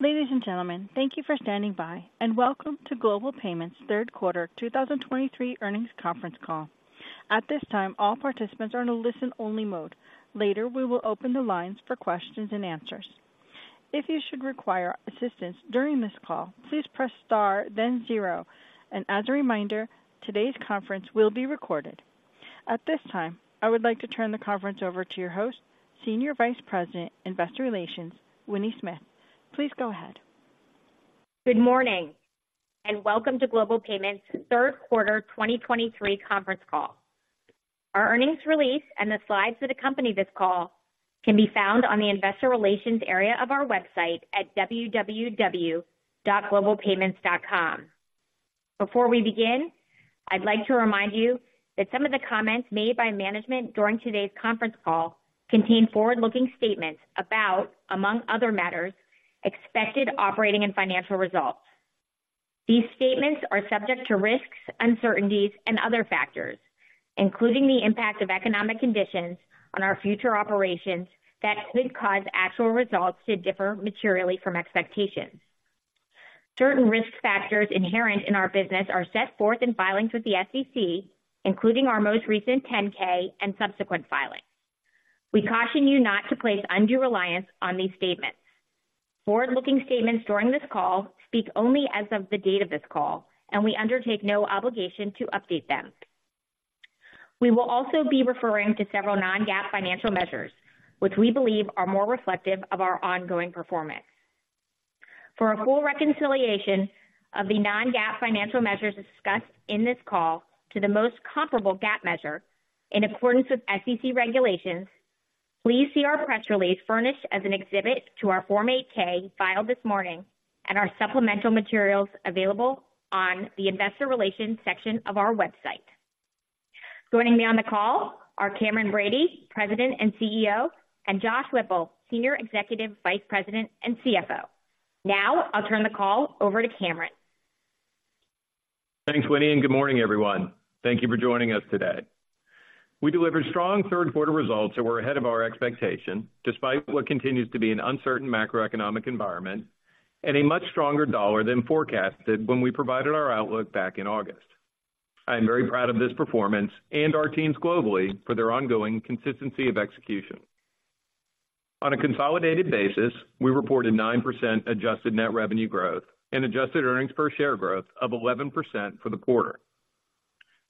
Ladies and gentlemen, thank you for standing by, and welcome to Global Payments' third quarter 2023 earnings conference call. At this time, all participants are in a listen-only mode. Later, we will open the lines for questions and answers. If you should require assistance during this call, please press star then zero. As a reminder, today's conference will be recorded. At this time, I would like to turn the conference over to your host, Senior Vice President, Investor Relations, Winnie Smith. Please go ahead. Good morning, and welcome to Global Payments' third quarter 2023 conference call. Our earnings release and the slides that accompany this call can be found on the investor relations area of our website at www.globalpayments.com. Before we begin, I'd like to remind you that some of the comments made by management during today's conference call contain forward-looking statements about, among other matters, expected operating and financial results. These statements are subject to risks, uncertainties and other factors, including the impact of economic conditions on our future operations that could cause actual results to differ materially from expectations. Certain risk factors inherent in our business are set forth in filings with the SEC, including our most recent 10-K and subsequent filings. We caution you not to place undue reliance on these statements. Forward-looking statements during this call speak only as of the date of this call, and we undertake no obligation to update them. We will also be referring to several non-GAAP financial measures, which we believe are more reflective of our ongoing performance. For a full reconciliation of the non-GAAP financial measures discussed in this call to the most comparable GAAP measure, in accordance with SEC regulations, please see our press release furnished as an exhibit to our Form 8-K filed this morning and our supplemental materials available on the Investor Relations section of our website. Joining me on the call are Cameron Bready, President and CEO, and Josh Whipple, Senior Executive Vice President and CFO. Now I'll turn the call over to Cameron. Thanks, Winnie, and good morning, everyone. Thank you for joining us today. We delivered strong third quarter results that were ahead of our expectation, despite what continues to be an uncertain macroeconomic environment and a much stronger dollar than forecasted when we provided our outlook back in August. I am very proud of this performance and our teams globally for their ongoing consistency of execution. On a consolidated basis, we reported 9% adjusted net revenue growth and adjusted earnings per share growth of 11% for the quarter.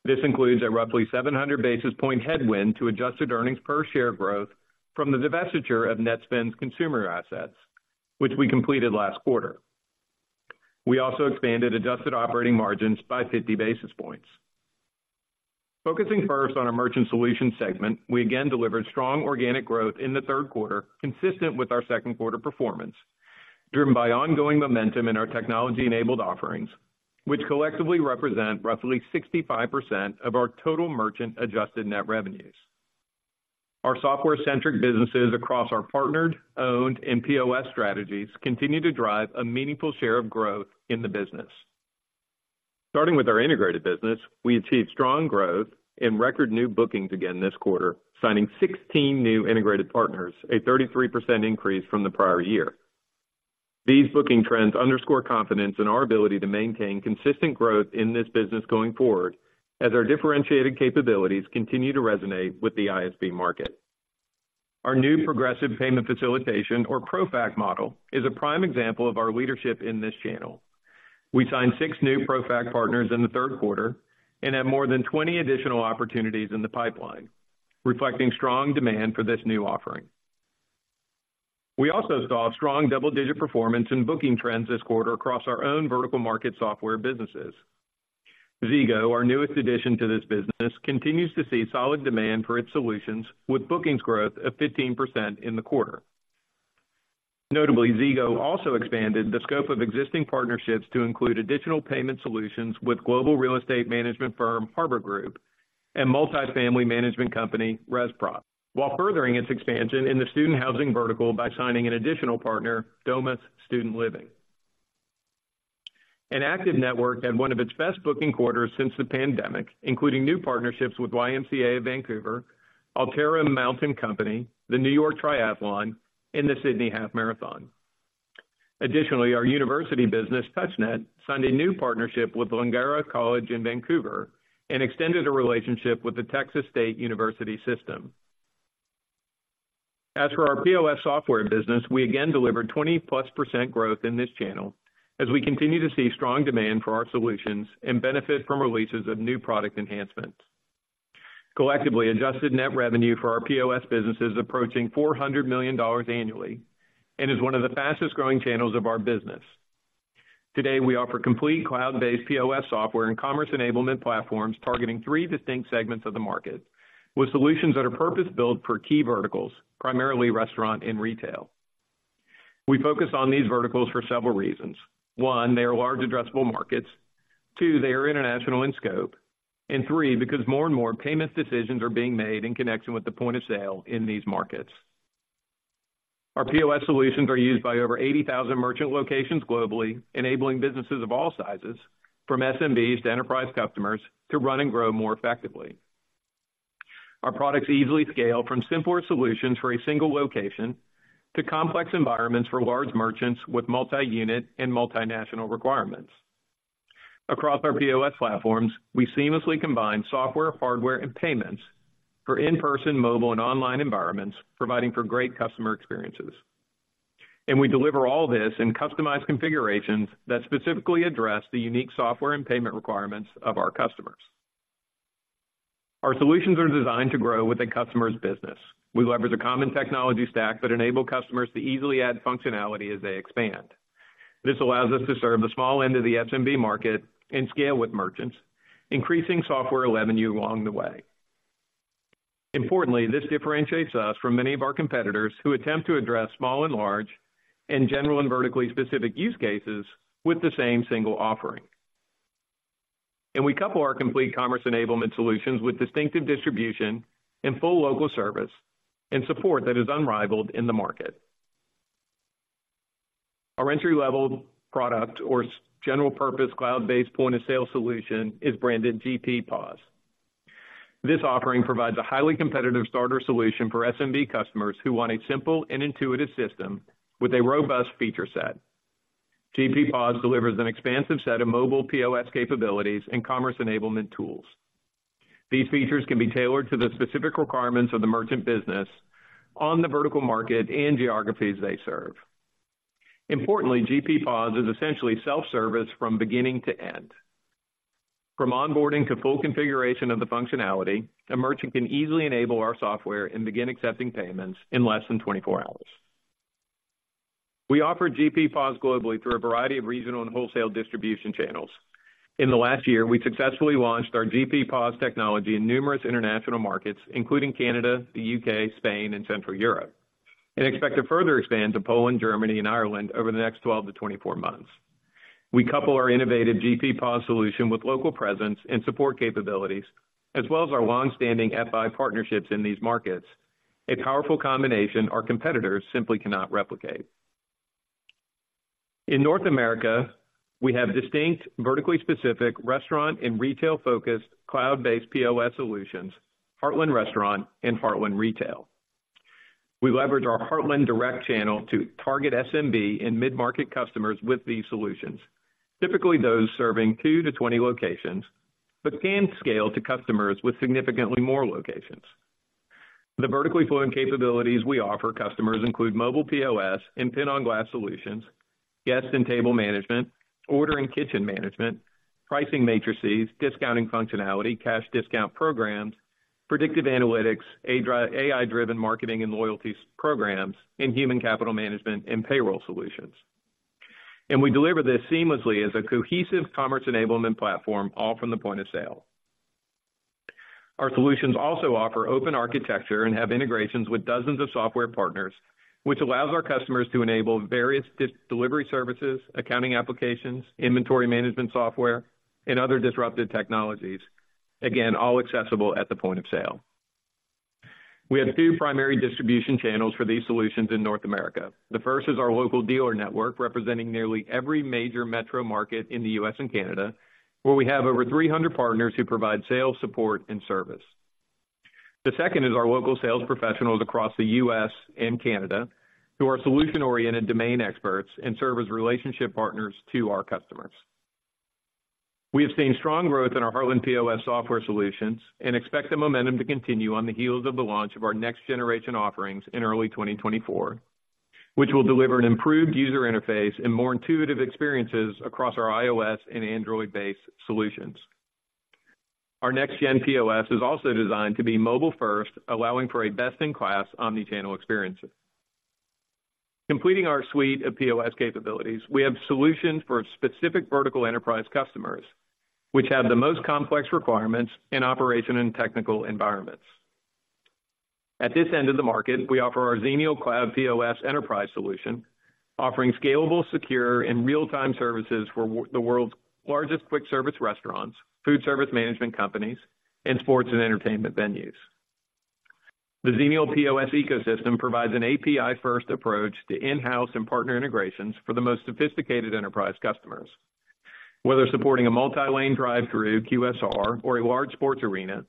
This includes a roughly 700 basis point headwind to adjusted earnings per share growth from the divestiture of NetSpend's consumer assets, which we completed last quarter. We also expanded adjusted operating margins by 50 basis points. Focusing first on our Merchant Solutions segment, we again delivered strong organic growth in the third quarter, consistent with our second quarter performance, driven by ongoing momentum in our technology-enabled offerings, which collectively represent roughly 65% of our total merchant adjusted net revenues. Our software-centric businesses across our partnered, owned, and POS strategies continue to drive a meaningful share of growth in the business. Starting with our integrated business, we achieved strong growth in record new bookings again this quarter, signing 16 new integrated partners, a 33% increase from the prior year. These booking trends underscore confidence in our ability to maintain consistent growth in this business going forward, as our differentiated capabilities continue to resonate with the ISV market. Our new Progressive Payment Facilitation, or ProFac model, is a prime example of our leadership in this channel. We signed six new ProFac partners in the third quarter and have more than 20 additional opportunities in the pipeline, reflecting strong demand for this new offering. We also saw strong double-digit performance in booking trends this quarter across our own vertical market software businesses. Zego, our newest addition to this business, continues to see solid demand for its solutions, with bookings growth of 15% in the quarter. Notably, Zego also expanded the scope of existing partnerships to include additional payment solutions with global real estate management firm Harbor Group and multifamily management company ResProp, while furthering its expansion in the student housing vertical by signing an additional partner, Domus Student Living. Active Network had one of its best booking quarters since the pandemic, including new partnerships with YMCA of Vancouver, Alterra Mountain Company, the New York Triathlon, and the Sydney Half Marathon. Additionally, our university business, TouchNet, signed a new partnership with Langara College in Vancouver and extended a relationship with the Texas State University System. As for our POS software business, we again delivered 20%+ growth in this channel as we continue to see strong demand for our solutions and benefit from releases of new product enhancements. Collectively, Adjusted Net Revenue for our POS business is approaching $400 million annually and is one of the fastest-growing channels of our business. Today, we offer complete cloud-based POS software and commerce enablement platforms targeting three distinct segments of the market, with solutions that are purpose-built for key verticals, primarily restaurant and retail. We focus on these verticals for several reasons. One, they are large addressable markets, two, they are international in scope, and three, because more and more payments decisions are being made in connection with the point of sale in these markets. Our POS solutions are used by over 80,000 merchant locations globally, enabling businesses of all sizes, from SMBs to enterprise customers, to run and grow more effectively. Our products easily scale from simpler solutions for a single location, to complex environments for large merchants with multi-unit and multinational requirements. Across our POS platforms, we seamlessly combine software, hardware, and payments for in-person, mobile, and online environments, providing for great customer experiences. And we deliver all this in customized configurations that specifically address the unique software and payment requirements of our customers. Our solutions are designed to grow with a customer's business. We leverage a common technology stack that enable customers to easily add functionality as they expand. This allows us to serve the small end of the SMB market and scale with merchants, increasing software revenue along the way. Importantly, this differentiates us from many of our competitors who attempt to address small and large, and general and vertically specific use cases with the same single offering. We couple our complete commerce enablement solutions with distinctive distribution and full local service, and support that is unrivaled in the market. Our entry-level product, our general purpose, cloud-based point-of-sale solution is branded GP POS. This offering provides a highly competitive starter solution for SMB customers who want a simple and intuitive system with a robust feature set. GP POS delivers an expansive set of mobile POS capabilities and commerce enablement tools. These features can be tailored to the specific requirements of the merchant business on the vertical market and geographies they serve. Importantly, GP POS is essentially self-service from beginning to end. From onboarding to full configuration of the functionality, a merchant can easily enable our software and begin accepting payments in less than 24 hours. We offer GP POS globally through a variety of regional and wholesale distribution channels. In the last year, we successfully launched our GP POS technology in numerous international markets, including Canada, the U.K., Spain, and Central Europe, and expect to further expand to Poland, Germany, and Ireland over the next 12-24 months. We couple our innovative GP POS solution with local presence and support capabilities, as well as our long-standing FI partnerships in these markets, a powerful combination our competitors simply cannot replicate. In North America, we have distinct, vertically specific, restaurant and retail-focused, cloud-based POS solutions, Heartland Restaurant and Heartland Retail. We leverage our Heartland direct channel to target SMB and mid-market customers with these solutions, typically those serving 2-20 locations, but can scale to customers with significantly more locations. The vertically flowing capabilities we offer customers include mobile POS and PIN on Glass solutions, guest and table management, order and kitchen management, pricing matrices, discounting functionality, cash discount programs, predictive analytics, AI-driven marketing and loyalty programs, and human capital management and payroll solutions. And we deliver this seamlessly as a cohesive commerce enablement platform, all from the point of sale. Our solutions also offer open architecture and have integrations with dozens of software partners, which allows our customers to enable various delivery services, accounting applications, inventory management software, and other disruptive technologies. Again, all accessible at the point of sale. We have two primary distribution channels for these solutions in North America. The first is our local dealer network, representing nearly every major metro market in the U.S. and Canada, where we have over 300 partners who provide sales, support, and service. The second is our local sales professionals across the U.S. and Canada, who are solution-oriented domain experts and serve as relationship partners to our customers. We have seen strong growth in our Heartland POS software solutions and expect the momentum to continue on the heels of the launch of our next generation offerings in early 2024, which will deliver an improved user interface and more intuitive experiences across our iOS and Android-based solutions. Our next gen POS is also designed to be mobile first, allowing for a best-in-class omni-channel experiences. Completing our suite of POS capabilities, we have solutions for specific vertical enterprise customers, which have the most complex requirements in operation and technical environments. At this end of the market, we offer our Xenial Cloud POS Enterprise solution, offering scalable, secure, and real-time services for the world's largest quick service restaurants, food service management companies, and sports and entertainment venues. The Xenial POS ecosystem provides an API-first approach to in-house and partner integrations for the most sophisticated enterprise customers. Whether supporting a multi-lane drive-through, QSR, or a large sports arena,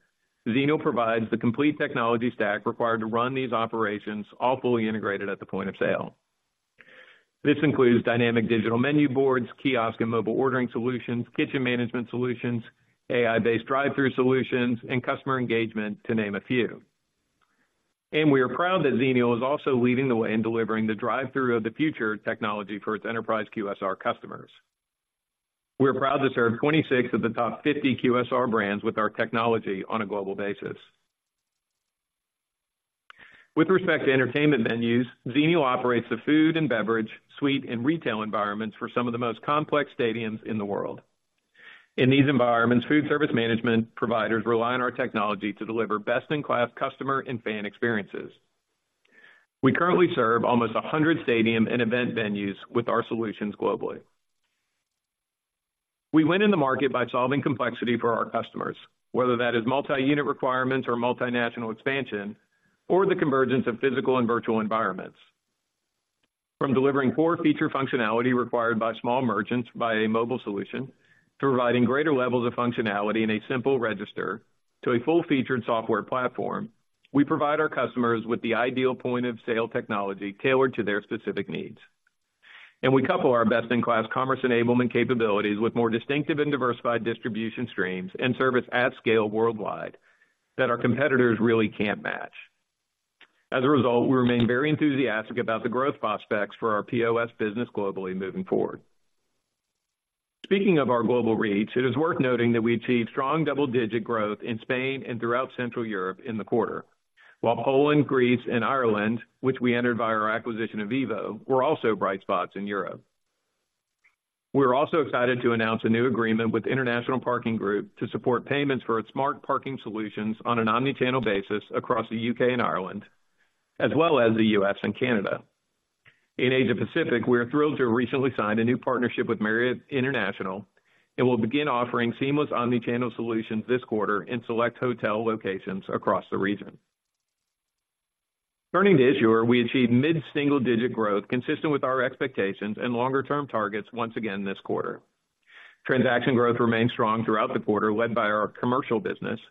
Xenial provides the complete technology stack required to run these operations, all fully integrated at the point of sale. This includes dynamic digital menu boards, kiosk and mobile ordering solutions, kitchen management solutions, AI-based drive-through solutions, and customer engagement, to name a few. We are proud that Xenial is also leading the way in delivering the drive-through of the future technology for its enterprise QSR customers. We're proud to serve 26 of the top 50 QSR brands with our technology on a global basis. With respect to entertainment venues, Xenial operates the food and beverage, suite, and retail environments for some of the most complex stadiums in the world. In these environments, food service management providers rely on our technology to deliver best-in-class customer and fan experiences. We currently serve almost 100 stadium and event venues with our solutions globally. We win in the market by solving complexity for our customers, whether that is multi-unit requirements or multinational expansion, or the convergence of physical and virtual environments... From delivering core feature functionality required by small merchants by a mobile solution, to providing greater levels of functionality in a simple register, to a full-featured software platform, we provide our customers with the ideal point-of-sale technology tailored to their specific needs. We couple our best-in-class commerce enablement capabilities with more distinctive and diversified distribution streams and service at scale worldwide, that our competitors really can't match. As a result, we remain very enthusiastic about the growth prospects for our POS business globally moving forward. Speaking of our global reach, it is worth noting that we achieved strong double-digit growth in Spain and throughout Central Europe in the quarter, while Poland, Greece, and Ireland, which we entered via our acquisition of EVO, were also bright spots in Europe. We're also excited to announce a new agreement with International Parking Group to support payments for its smart parking solutions on an omni-channel basis across the U.K. and Ireland, as well as the U.S. and Canada. In Asia Pacific, we are thrilled to recently sign a new partnership with Marriott International, and we'll begin offering seamless omni-channel solutions this quarter in select hotel locations across the region. Turning to issuer, we achieved mid-single-digit growth consistent with our expectations and longer-term targets once again this quarter. Transaction growth remained strong throughout the quarter, led by our commercial business,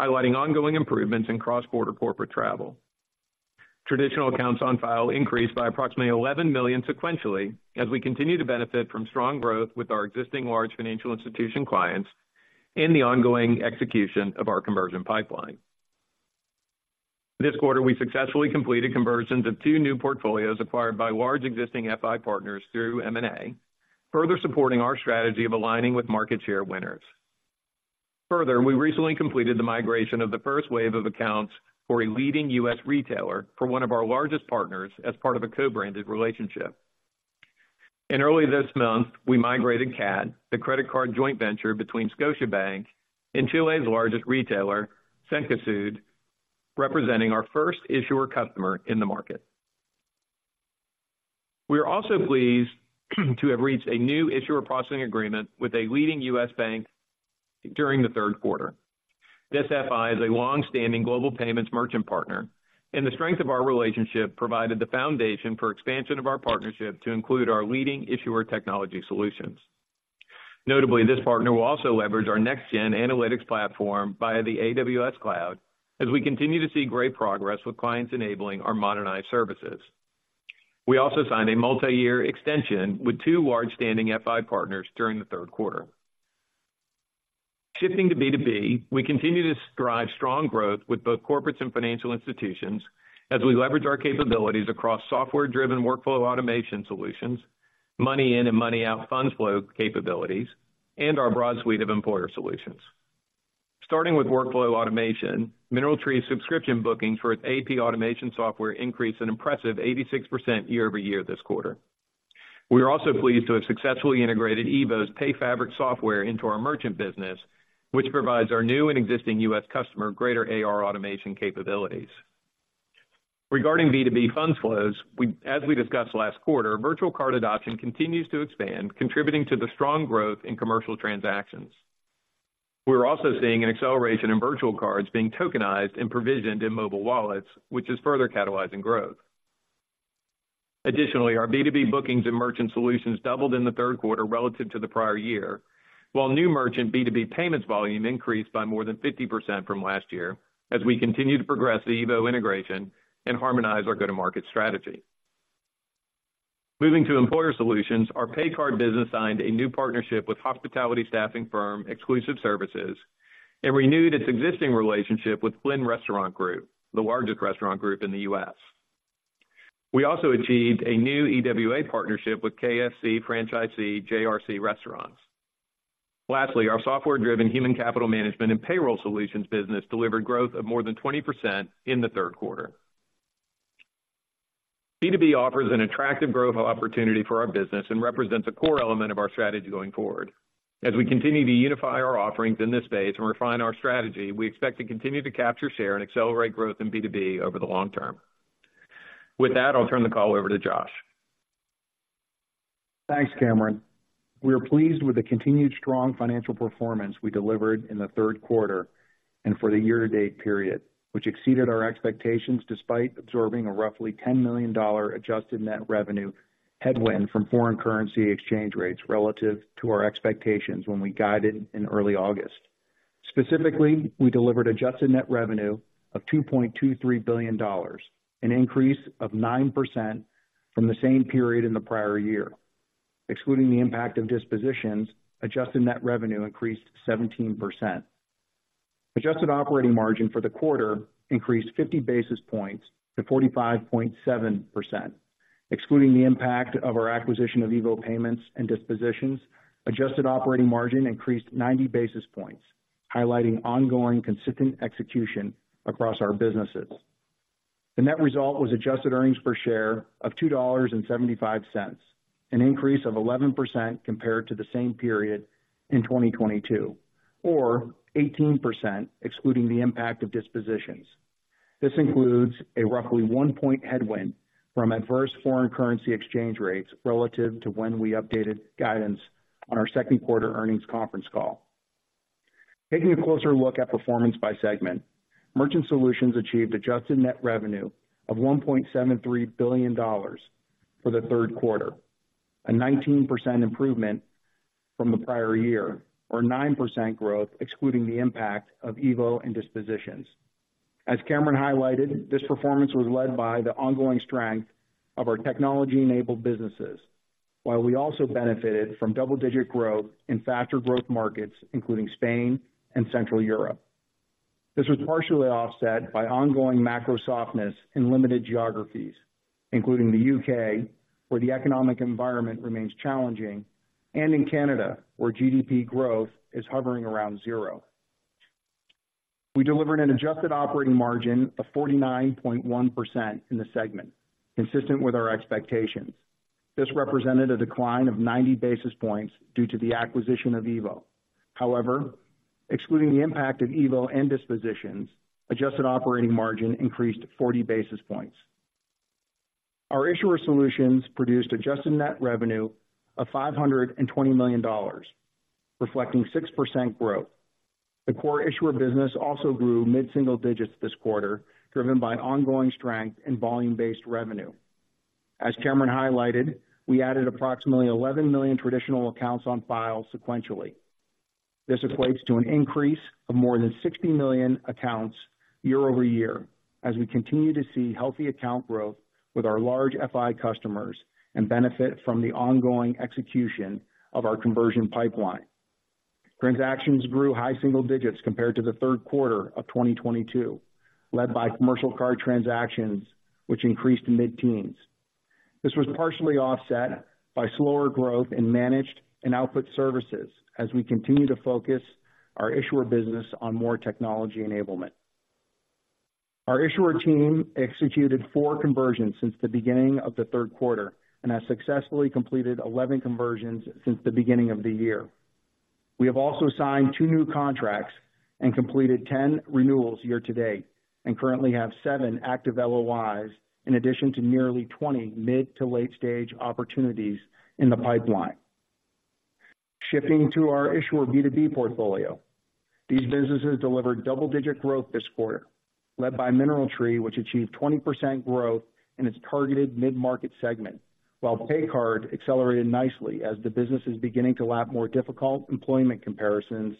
highlighting ongoing improvements in cross-border corporate travel. Traditional accounts on file increased by approximately 11 million sequentially, as we continue to benefit from strong growth with our existing large financial institution clients and the ongoing execution of our conversion pipeline. This quarter, we successfully completed conversions of two new portfolios acquired by large existing FI partners through M&A, further supporting our strategy of aligning with market share winners. Further, we recently completed the migration of the first wave of accounts for a leading U.S. retailer for one of our largest partners as part of a co-branded relationship. Early this month, we migrated CAT, the credit card joint venture between Scotiabank and Chile's largest retailer, Cencosud, representing our first issuer customer in the market. We are also pleased to have reached a new issuer processing agreement with a leading U.S. bank during the third quarter. This FI is a long-standing Global Payments merchant partner, and the strength of our relationship provided the foundation for expansion of our partnership to include our leading issuer technology solutions. Notably, this partner will also leverage our next-gen analytics platform via the AWS cloud, as we continue to see great progress with clients enabling our modernized services. We also signed a multi-year extension with two large standing FI partners during the third quarter. Shifting to B2B, we continue to drive strong growth with both corporates and financial institutions as we leverage our capabilities across software-driven workflow automation solutions, money in and money out funds flow capabilities, and our broad suite of employer solutions. Starting with workflow automation, MineralTree's subscription bookings for its AP automation software increased an impressive 86% year-over-year this quarter. We are also pleased to have successfully integrated EVO's PayFabric software into our merchant business, which provides our new and existing U.S. customer greater AR automation capabilities. Regarding B2B funds flows, we, as we discussed last quarter, virtual card adoption continues to expand, contributing to the strong growth in commercial transactions. We're also seeing an acceleration in virtual cards being tokenized and provisioned in mobile wallets, which is further catalyzing growth. Additionally, our B2B bookings and merchant solutions doubled in the third quarter relative to the prior year, while new merchant B2B payments volume increased by more than 50% from last year as we continue to progress the EVO integration and harmonize our go-to-market strategy. Moving to employer solutions, our PayCard business signed a new partnership with hospitality staffing firm, Exclusive Services, and renewed its existing relationship with Flynn Restaurant Group, the largest restaurant group in the U.S. We also achieved a new EWA partnership with KFC franchisee, JRC Restaurants. Lastly, our software-driven human capital management and payroll solutions business delivered growth of more than 20% in the third quarter. B2B offers an attractive growth opportunity for our business and represents a core element of our strategy going forward. As we continue to unify our offerings in this space and refine our strategy, we expect to continue to capture, share, and accelerate growth in B2B over the long term. With that, I'll turn the call over to Josh. Thanks, Cameron. We are pleased with the continued strong financial performance we delivered in the third quarter and for the year-to-date period, which exceeded our expectations despite absorbing a roughly $10 million adjusted net revenue headwind from foreign currency exchange rates relative to our expectations when we guided in early August. Specifically, we delivered adjusted net revenue of $2.23 billion, an increase of 9% from the same period in the prior year. Excluding the impact of dispositions, adjusted net revenue increased 17%. Adjusted operating margin for the quarter increased 50 basis points to 45.7%. Excluding the impact of our acquisition of EVO Payments and dispositions, adjusted operating margin increased 90 basis points, highlighting ongoing consistent execution across our businesses. The net result was Adjusted Earnings Per Share of $2.75, an increase of 11% compared to the same period in 2022, or 18% excluding the impact of dispositions. This includes a roughly 1-point headwind from adverse foreign currency exchange rates relative to when we updated guidance on our second quarter earnings conference call. Taking a closer look at performance by segment, Merchant Solutions achieved Adjusted Net Revenue of $1.73 billion for the third quarter, a 19% improvement from the prior year, or 9% growth, excluding the impact of EVO and dispositions. As Cameron highlighted, this performance was led by the ongoing strength of our technology-enabled businesses, while we also benefited from double-digit growth in faster growth markets, including Spain and Central Europe. This was partially offset by ongoing macro softness in limited geographies, including the U.K., where the economic environment remains challenging, and in Canada, where GDP growth is hovering around zero. We delivered an adjusted operating margin of 49.1% in the segment, consistent with our expectations. This represented a decline of 90 basis points due to the acquisition of EVO. However, excluding the impact of EVO and dispositions, adjusted operating margin increased 40 basis points. Our Issuer Solutions produced adjusted net revenue of $520 million, reflecting 6% growth. The core issuer business also grew mid-single digits this quarter, driven by ongoing strength and volume-based revenue. As Cameron highlighted, we added approximately 11 million traditional accounts on file sequentially. This equates to an increase of more than 60 million accounts year-over-year, as we continue to see healthy account growth with our large FI customers and benefit from the ongoing execution of our conversion pipeline. Transactions grew high single digits compared to the third quarter of 2022, led by commercial card transactions, which increased to mid-teens. This was partially offset by slower growth in managed and output services as we continue to focus our issuer business on more technology enablement. Our issuer team executed four conversions since the beginning of the third quarter and has successfully completed 11 conversions since the beginning of the year. We have also signed two new contracts and completed 10 renewals year to date, and currently have seven active LOIs, in addition to nearly 20 mid- to late-stage opportunities in the pipeline. Shifting to our issuer B2B portfolio, these businesses delivered double-digit growth this quarter, led by MineralTree, which achieved 20% growth in its targeted mid-market segment, while Paycard accelerated nicely as the business is beginning to lap more difficult employment comparisons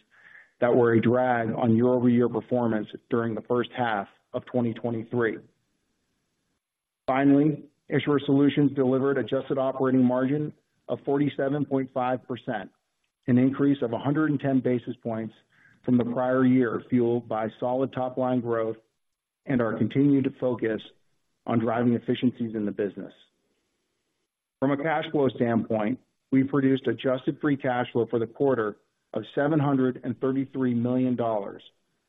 that were a drag on year-over-year performance during the first half of 2023. Finally, Issuer Solutions delivered adjusted operating margin of 47.5%, an increase of 110 basis points from the prior year, fueled by solid top-line growth and our continued focus on driving efficiencies in the business. From a cash flow standpoint, we produced adjusted free cash flow for the quarter of $733 million,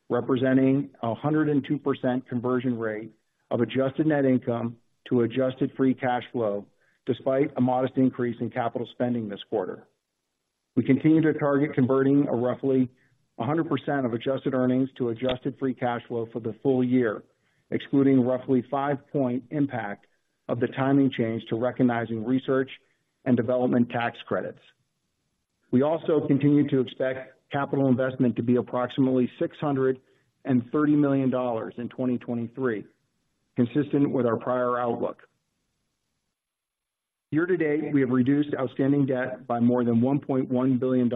representing a 102% conversion rate of adjusted net income to adjusted free cash flow, despite a modest increase in capital spending this quarter. We continue to target converting roughly 100% of adjusted earnings to adjusted free cash flow for the full year, excluding roughly five-point impact of the timing change to recognizing research and development tax credits. We also continue to expect capital investment to be approximately $630 million in 2023, consistent with our prior outlook. Year to date, we have reduced outstanding debt by more than $1.1 billion,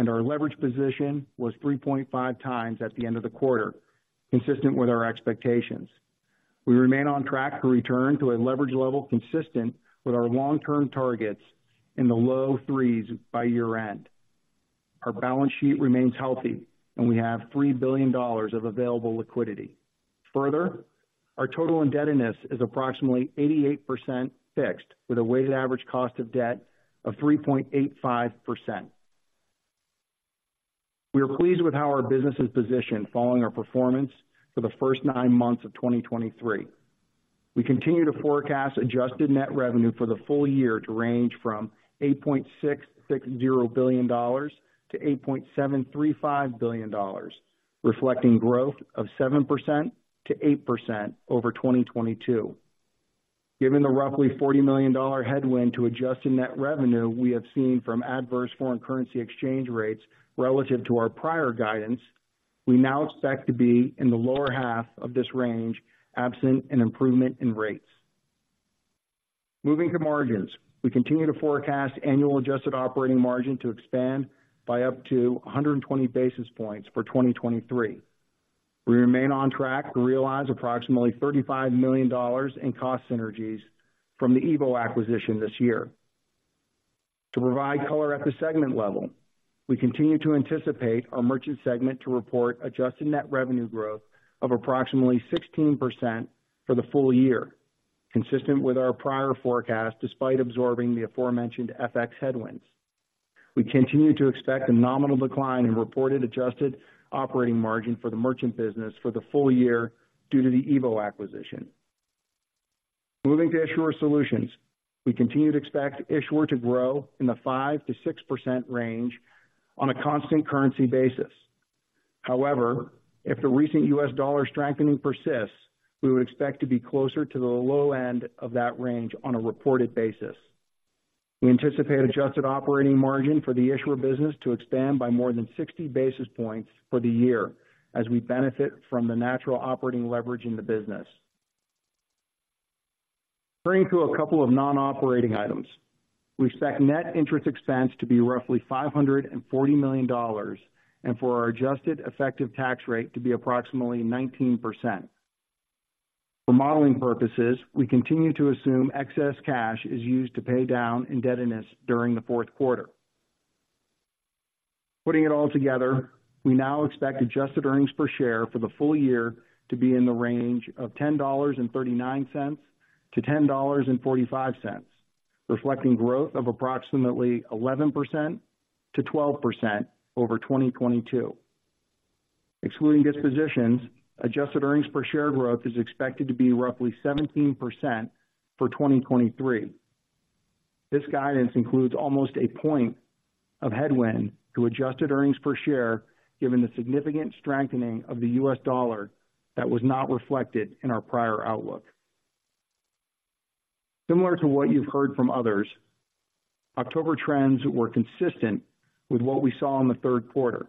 and our leverage position was 3.5x at the end of the quarter, consistent with our expectations. We remain on track to return to a leverage level consistent with our long-term targets in the low threes by year-end. Our balance sheet remains healthy, and we have $3 billion of available liquidity. Further, our total indebtedness is approximately 88% fixed, with a weighted average cost of debt of 3.85%. We are pleased with how our business is positioned following our performance for the first nine months of 2023. We continue to forecast Adjusted Net Revenue for the full year to range from $8.660 billion-$8.735 billion, reflecting growth of 7%-8% over 2022. Given the roughly $40 million headwind to Adjusted Net Revenue we have seen from adverse foreign currency exchange rates relative to our prior guidance, we now expect to be in the lower half of this range, absent an improvement in rates. Moving to margins, we continue to forecast annual Adjusted Operating Margin to expand by up to 120 basis points for 2023. We remain on track to realize approximately $35 million in cost synergies from the EVO acquisition this year. To provide color at the segment level, we continue to anticipate our merchant segment to report adjusted net revenue growth of approximately 16% for the full year, consistent with our prior forecast, despite absorbing the aforementioned FX headwinds. We continue to expect a nominal decline in reported adjusted operating margin for the merchant business for the full year due to the EVO acquisition. Moving to Issuer Solutions, we continue to expect Issuer to grow in the 5%-6% range on a constant currency basis. However, if the recent U.S. dollar strengthening persists, we would expect to be closer to the low end of that range on a reported basis.... We anticipate adjusted operating margin for the issuer business to expand by more than 60 basis points for the year, as we benefit from the natural operating leverage in the business. Turning to a couple of non-operating items. We expect net interest expense to be roughly $540 million, and for our adjusted effective tax rate to be approximately 19%. For modeling purposes, we continue to assume excess cash is used to pay down indebtedness during the fourth quarter. Putting it all together, we now expect adjusted earnings per share for the full year to be in the range of $10.39-$10.45, reflecting growth of approximately 11%-12% over 2022. Excluding dispositions, adjusted earnings per share growth is expected to be roughly 17% for 2023. This guidance includes almost a point of headwind to adjusted earnings per share, given the significant strengthening of the U.S. dollar that was not reflected in our prior outlook. Similar to what you've heard from others, October trends were consistent with what we saw in the third quarter.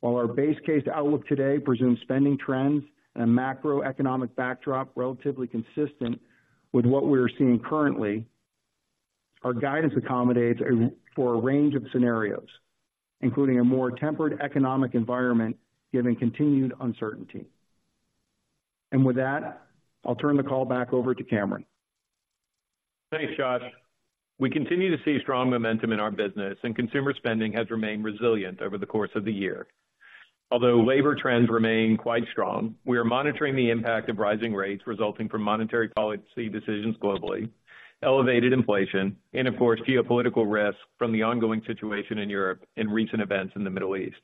While our base case outlook today presumes spending trends and a macroeconomic backdrop relatively consistent with what we are seeing currently, our guidance accommodates a range of scenarios, including a more tempered economic environment, given continued uncertainty. With that, I'll turn the call back over to Cameron. Thanks, Josh. We continue to see strong momentum in our business, and consumer spending has remained resilient over the course of the year. Although labor trends remain quite strong, we are monitoring the impact of rising rates resulting from monetary policy decisions globally, elevated inflation, and of course, geopolitical risk from the ongoing situation in Europe and recent events in the Middle East.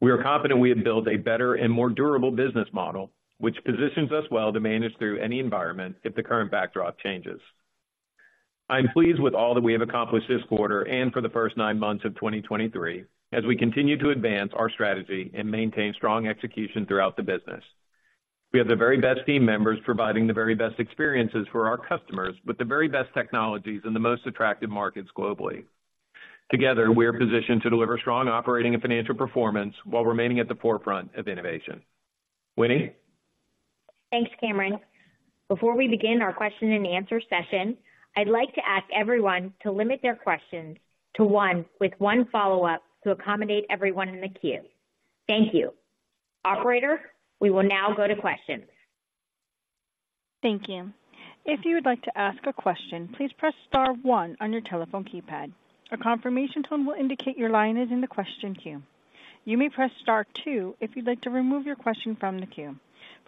We are confident we have built a better and more durable business model, which positions us well to manage through any environment if the current backdrop changes. I'm pleased with all that we have accomplished this quarter and for the first nine months of 2023, as we continue to advance our strategy and maintain strong execution throughout the business. We have the very best team members providing the very best experiences for our customers, with the very best technologies in the most attractive markets globally. Together, we are positioned to deliver strong operating and financial performance while remaining at the forefront of innovation. Winnie? Thanks, Cameron. Before we begin our question and answer session, I'd like to ask everyone to limit their questions to one, with one follow-up, to accommodate everyone in the queue. Thank you. Operator, we will now go to questions. Thank you. If you would like to ask a question, please press star one on your telephone keypad. A confirmation tone will indicate your line is in the question queue. You may press star two if you'd like to remove your question from the queue.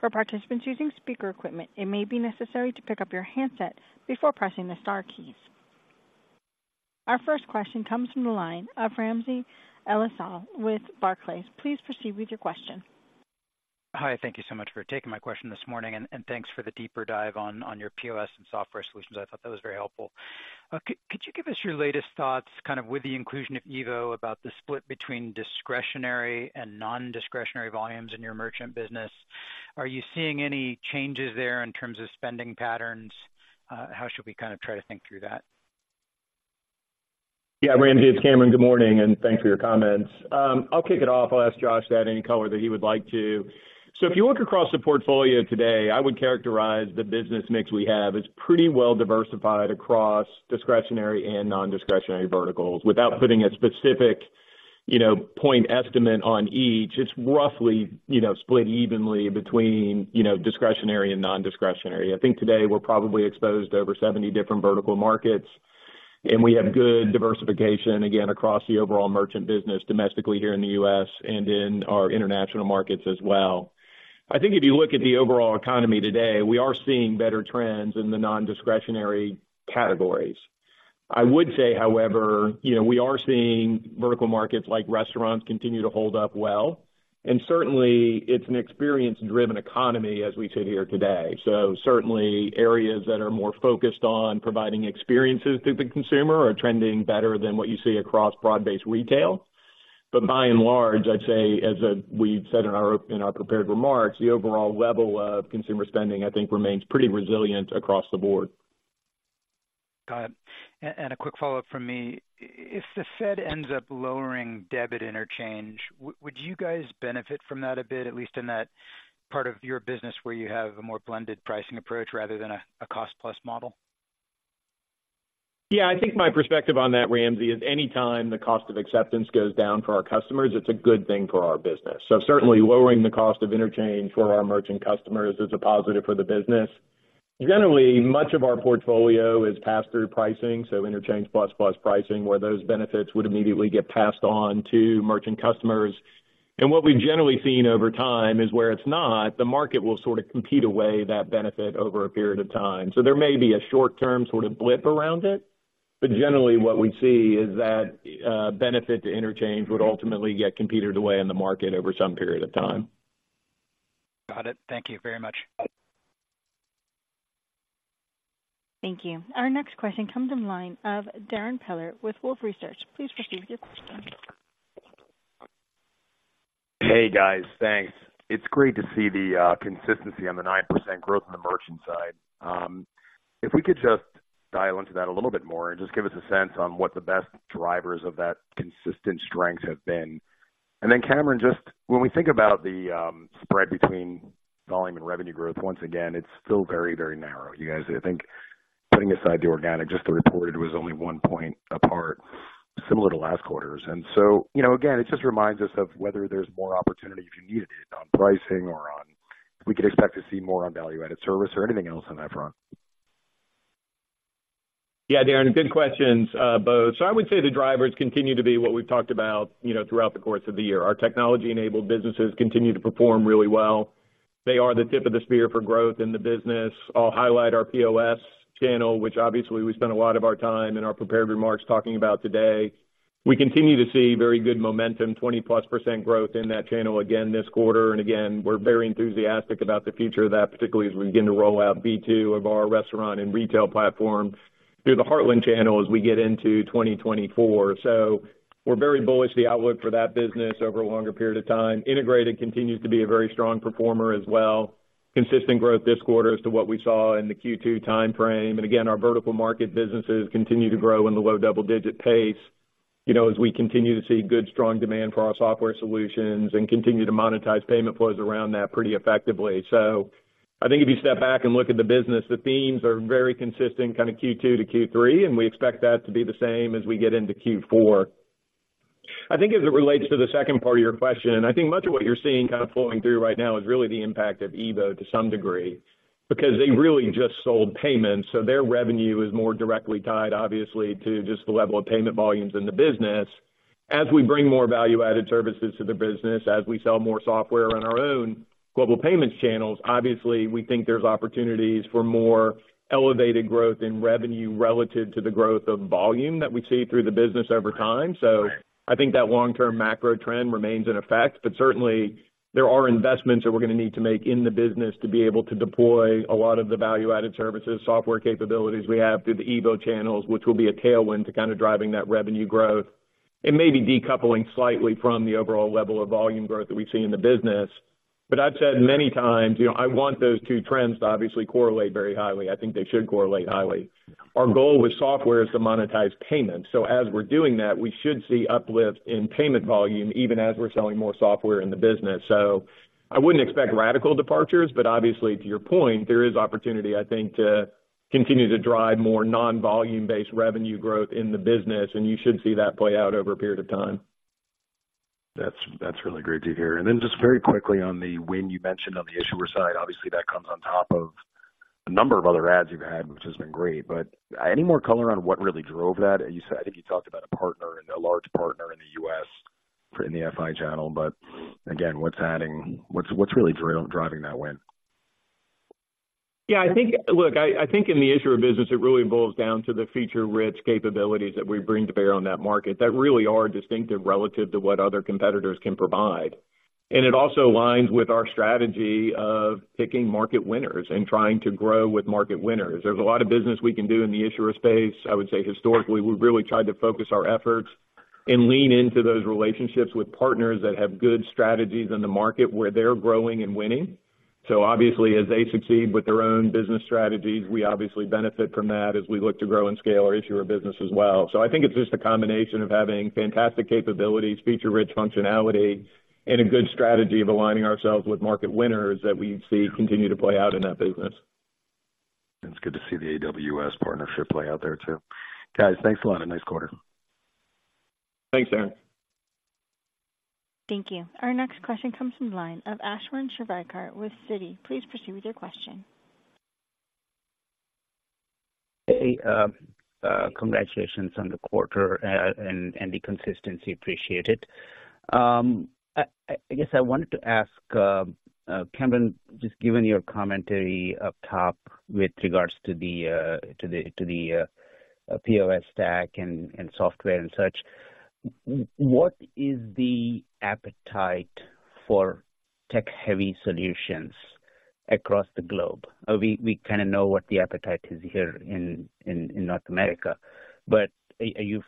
For participants using speaker equipment, it may be necessary to pick up your handset before pressing the star keys. Our first question comes from the line of Ramsey El-Assal with Barclays. Please proceed with your question. Hi, thank you so much for taking my question this morning, and thanks for the deeper dive on your POS and software solutions. I thought that was very helpful. Could you give us your latest thoughts, kind of with the inclusion of EVO, about the split between discretionary and non-discretionary volumes in your merchant business? Are you seeing any changes there in terms of spending patterns? How should we kind of try to think through that? Yeah, Ramsey, it's Cameron. Good morning, and thanks for your comments. I'll kick it off. I'll ask Josh to add any color that he would like to. So if you look across the portfolio today, I would characterize the business mix we have as pretty well diversified across discretionary and non-discretionary verticals. Without putting a specific, you know, point estimate on each, it's roughly, you know, split evenly between, you know, discretionary and non-discretionary. I think today we're probably exposed to over 70 different vertical markets, and we have good diversification, again, across the overall merchant business, domestically here in the U.S. and in our international markets as well. I think if you look at the overall economy today, we are seeing better trends in the non-discretionary categories. I would say, however, you know, we are seeing vertical markets like restaurants continue to hold up well, and certainly it's an experience-driven economy as we sit here today. So certainly areas that are more focused on providing experiences to the consumer are trending better than what you see across broad-based retail. But by and large, I'd say, as we've said in our, in our prepared remarks, the overall level of consumer spending, I think, remains pretty resilient across the board. Got it. A quick follow-up from me. If the Fed ends up lowering debit interchange, would you guys benefit from that a bit, at least in that part of your business where you have a more blended pricing approach rather than a cost-plus model? Yeah, I think my perspective on that, Ramsey, is anytime the cost of acceptance goes down for our customers, it's a good thing for our business. So certainly lowering the cost of interchange for our merchant customers is a positive for the business. Generally, much of our portfolio is pass-through pricing, so interchange plus plus pricing, where those benefits would immediately get passed on to merchant customers. And what we've generally seen over time is, where it's not, the market will sort of compete away that benefit over a period of time. So there may be a short-term sort of blip around it, but generally what we see is that, benefit to interchange would ultimately get competed away in the market over some period of time. Got it. Thank you very much. Thank you. Our next question comes from line of Darrin Peller with Wolfe Research. Please proceed with your question. Hey, guys, thanks. It's great to see the consistency on the 9% growth on the merchant side. If we could just dial into that a little bit more and just give us a sense on what the best drivers of that consistent strength have been. Then, Cameron, just when we think about the spread between volume and revenue growth, once again, it's still very, very narrow. You guys, I think putting aside the organic, just the reported was only one point apart, similar to last quarter's. So, you know, again, it just reminds us of whether there's more opportunity, if you need it, on pricing or on... We could expect to see more on value-added service or anything else on that front. Yeah, Darrin, good questions, both. So I would say the drivers continue to be what we've talked about, you know, throughout the course of the year. Our technology-enabled businesses continue to perform really well. They are the tip of the spear for growth in the business. I'll highlight our POS channel, which obviously we spent a lot of our time in our prepared remarks talking about today. We continue to see very good momentum, 20%+ growth in that channel again this quarter, and again, we're very enthusiastic about the future of that, particularly as we begin to roll out V2 of our restaurant and retail platform through the Heartland channel as we get into 2024. So we're very bullish, the outlook for that business over a longer period of time. Integrated continues to be a very strong performer as well. Consistent growth this quarter as to what we saw in the Q2 timeframe. Again, our vertical market businesses continue to grow in the low double-digit pace, you know, as we continue to see good, strong demand for our software solutions and continue to monetize payment flows around that pretty effectively. I think if you step back and look at the business, the themes are very consistent, kind of Q2-Q3, and we expect that to be the same as we get into Q4. I think as it relates to the second part of your question, much of what you're seeing kind of flowing through right now is really the impact of EVO to some degree, because they really just sold payments, so their revenue is more directly tied, obviously, to just the level of payment volumes in the business. As we bring more value-added services to the business, as we sell more software on our own Global Payments channels, obviously, we think there's opportunities for more elevated growth in revenue relative to the growth of volume that we see through the business over time. So I think that long-term macro trend remains in effect, but certainly there are investments that we're going to need to make in the business to be able to deploy a lot of the value-added services, software capabilities we have through the EVO channels, which will be a tailwind to kind of driving that revenue growth. It may be decoupling slightly from the overall level of volume growth that we see in the business, but I've said many times, you know, I want those two trends to obviously correlate very highly. I think they should correlate highly. Our goal with software is to monetize payments. As we're doing that, we should see uplift in payment volume, even as we're selling more software in the business. I wouldn't expect radical departures, but obviously, to your point, there is opportunity, I think, to continue to drive more non-volume-based revenue growth in the business, and you should see that play out over a period of time. That's really great to hear. And then just very quickly on the win you mentioned on the issuer side, obviously that comes on top of a number of other adds you've had, which has been great, but any more color on what really drove that? You said—I think you talked about a partner and a large partner in the US, in the FI channel, but again, what's really driving that win? Yeah, I think... Look, I think in the issuer business, it really boils down to the feature-rich capabilities that we bring to bear on that market that really are distinctive relative to what other competitors can provide. It also aligns with our strategy of picking market winners and trying to grow with market winners. There's a lot of business we can do in the issuer space. I would say historically, we've really tried to focus our efforts and lean into those relationships with partners that have good strategies in the market where they're growing and winning. Obviously, as they succeed with their own business strategies, we obviously benefit from that as we look to grow and scale our issuer business as well. I think it's just a combination of having fantastic capabilities, feature-rich functionality, and a good strategy of aligning ourselves with market winners that we see continue to play out in that business. It's good to see the AWS partnership play out there, too. Guys, thanks a lot. Nice quarter. Thanks, Aaron. Thank you. Our next question comes from the line of Ashwin Shirvaikar with Citi. Please proceed with your question. Hey, congratulations on the quarter, and the consistency. Appreciate it. I guess I wanted to ask, Cameron, just given your commentary up top with regards to the POS stack and software and such, what is the appetite for tech-heavy solutions across the globe? We kind of know what the appetite is here in North America, but are you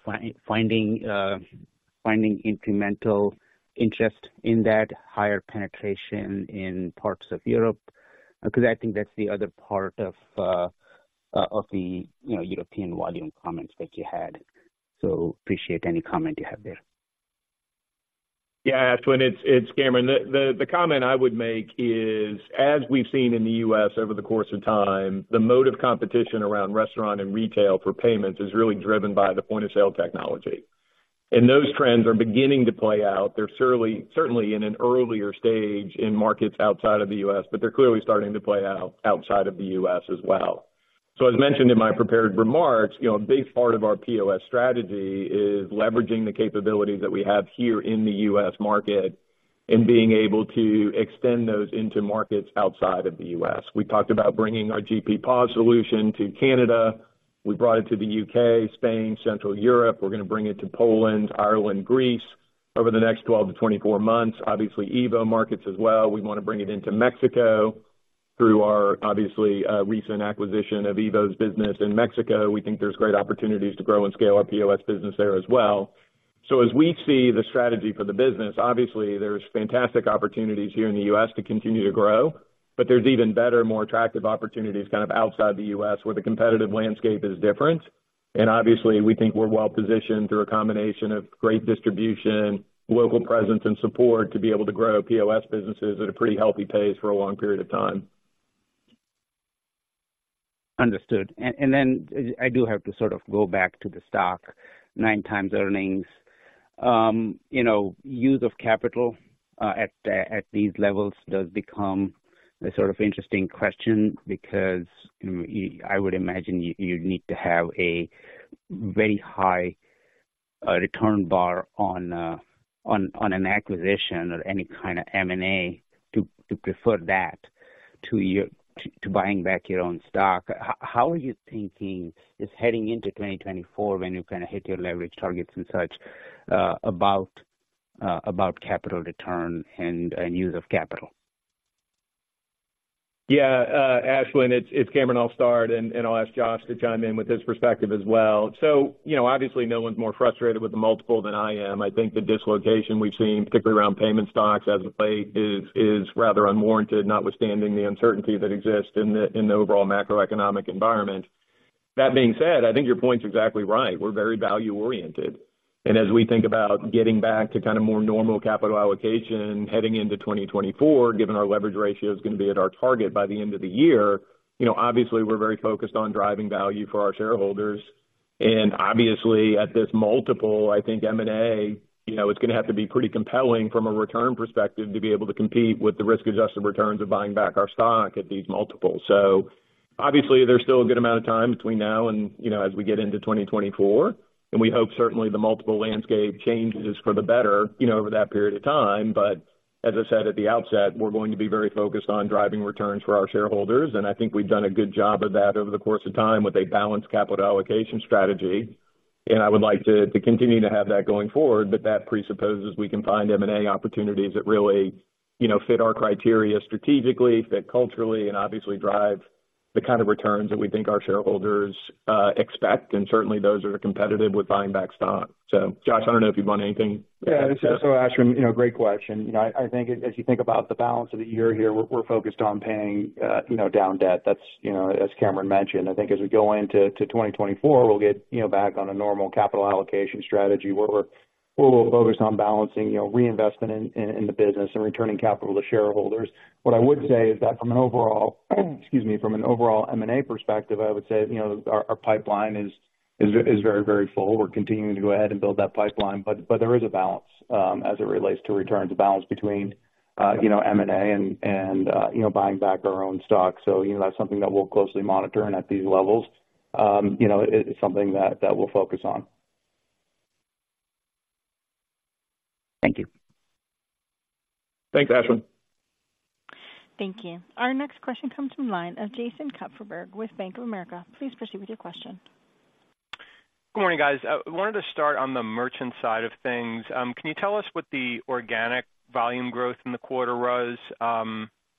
finding incremental interest in that higher penetration in parts of Europe? Because I think that's the other part of the European volume comments that you had. So appreciate any comment you have there. Yeah, Ashwin, it's Cameron. The comment I would make is, as we've seen in the U.S. over the course of time, the mode of competition around restaurant and retail for payments is really driven by the point-of-sale technology. And those trends are beginning to play out. They're certainly in an earlier stage in markets outside of the U.S., but they're clearly starting to play out outside of the U.S. as well. So as mentioned in my prepared remarks, you know, a big part of our POS strategy is leveraging the capabilities that we have here in the U.S. market and being able to extend those into markets outside of the U.S. We talked about bringing our GP POS solution to Canada. We brought it to the U.K., Spain, Central Europe. We're going to bring it to Poland, Ireland, Greece over the next 12-24 months. Obviously, EVO markets as well. We want to bring it into Mexico through our obviously, recent acquisition of EVO's business in Mexico, we think there's great opportunities to grow and scale our POS business there as well. So as we see the strategy for the business, obviously, there's fantastic opportunities here in the U.S. to continue to grow, but there's even better, more attractive opportunities kind of outside the U.S., where the competitive landscape is different. Obviously, we think we're well positioned through a combination of great distribution, local presence, and support, to be able to grow POS businesses at a pretty healthy pace for a long period of time. Understood. And then I do have to sort of go back to the stock, 9x earnings. You know, use of capital at these levels does become a sort of interesting question because you, I would imagine you, you'd need to have a very high return bar on an acquisition or any kind of M&A to prefer that to buying back your own stock. How are you thinking just heading into 2024, when you kind of hit your leverage targets and such, about capital return and use of capital? Yeah, Ashwin, it's Cameron. I'll start, and I'll ask Josh to chime in with his perspective as well. So, you know, obviously, no one's more frustrated with the multiple than I am. I think the dislocation we've seen, particularly around payment stocks as of late, is rather unwarranted, notwithstanding the uncertainty that exists in the overall macroeconomic environment. That being said, I think your point's exactly right. We're very value-oriented, and as we think about getting back to kind of more normal capital allocation heading into 2024, given our leverage ratio is gonna be at our target by the end of the year, you know, obviously, we're very focused on driving value for our shareholders. Obviously, at this multiple, I think M&A, you know, is gonna have to be pretty compelling from a return perspective to be able to compete with the risk-adjusted returns of buying back our stock at these multiples. Obviously, there's still a good amount of time between now and, you know, as we get into 2024, and we hope certainly the multiple landscape changes for the better, you know, over that period of time. But as I said at the outset, we're going to be very focused on driving returns for our shareholders, and I think we've done a good job of that over the course of time with a balanced capital allocation strategy. And I would like to continue to have that going forward, but that presupposes we can find M&A opportunities that really, you know, fit our criteria strategically, fit culturally, and obviously drive the kind of returns that we think our shareholders expect, and certainly those that are competitive with buying back stock. So Josh, I don't know if you'd want anything- Yeah, so Ashwin, you know, great question. You know, I think as you think about the balance of the year here, we're focused on paying, you know, down debt. That's, you know, as Cameron mentioned, I think as we go into 2024, we'll get, you know, back on a normal capital allocation strategy, where we're focused on balancing, you know, reinvesting in the business and returning capital to shareholders. What I would say is that from an overall, excuse me, from an overall M&A perspective, I would say, you know, our pipeline is very, very full. We're continuing to go ahead and build that pipeline. But there is a balance as it relates to returns, a balance between, you know, M&A and, you know, buying back our own stock. So, you know, that's something that we'll closely monitor, and at these levels, you know, it is something that we'll focus on. Thank you. Thanks, Ashwin. Thank you. Our next question comes from the line of Jason Kupferberg with Bank of America. Please proceed with your question. Good morning, guys. Wanted to start on the merchant side of things. Can you tell us what the organic volume growth in the quarter was,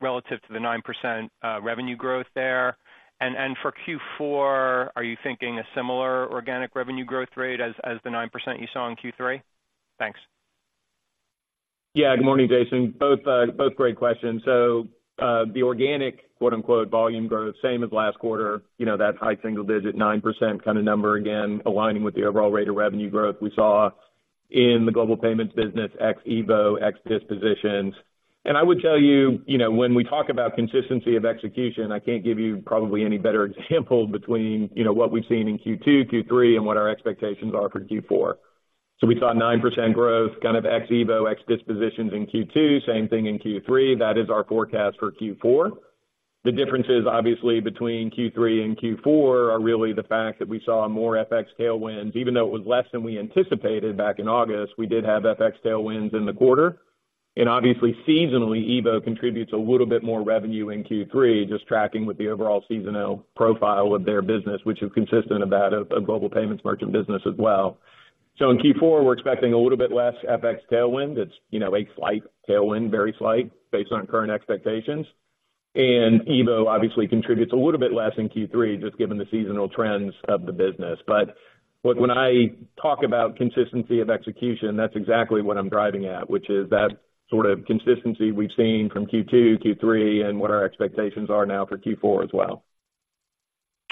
relative to the 9% revenue growth there? And for Q4, are you thinking a similar organic revenue growth rate as the 9% you saw in Q3? Thanks. Yeah. Good morning, Jason. Both both great questions. So, the organic, quote unquote, “volume growth,” same as last quarter. You know, that high single digit, 9% kind of number, again, aligning with the overall rate of revenue growth we saw in the Global Payments business, ex EVO, ex dispositions. And I would tell you, you know, when we talk about consistency of execution, I can't give you probably any better example between, you know, what we've seen in Q2, Q3 and what our expectations are for Q4. So we saw 9% growth, kind of ex EVO, ex dispositions in Q2, same thing in Q3. That is our forecast for Q4. The differences, obviously, between Q3 and Q4 are really the fact that we saw more FX tailwinds. Even though it was less than we anticipated back in August, we did have FX tailwinds in the quarter. Obviously seasonally, EVO contributes a little bit more revenue in Q3, just tracking with the overall seasonal profile of their business, which is consistent about a Global Payments merchant business as well. So in Q4, we're expecting a little bit less FX tailwind. It's, you know, a slight tailwind, very slight, based on current expectations. And EVO obviously contributes a little bit less in Q3, just given the seasonal trends of the business. But when I talk about consistency of execution, that's exactly what I'm driving at, which is that sort of consistency we've seen from Q2, Q3, and what our expectations are now for Q4 as well.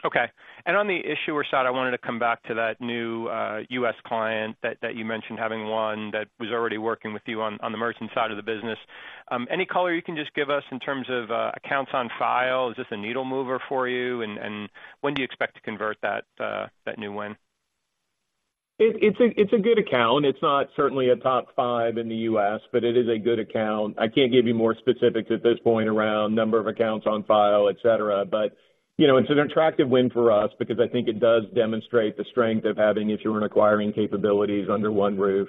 Okay. And on the issuer side, I wanted to come back to that new U.S. client that you mentioned having one that was already working with you on the merchant side of the business. Any color you can just give us in terms of accounts on file? Is this a needle mover for you? And when do you expect to convert that new win? It's a good account. It's not certainly a top five in the U.S., but it is a good account. I can't give you more specifics at this point around number of accounts on file, et cetera. But, you know, it's an attractive win for us because I think it does demonstrate the strength of having issuer and acquiring capabilities under one roof.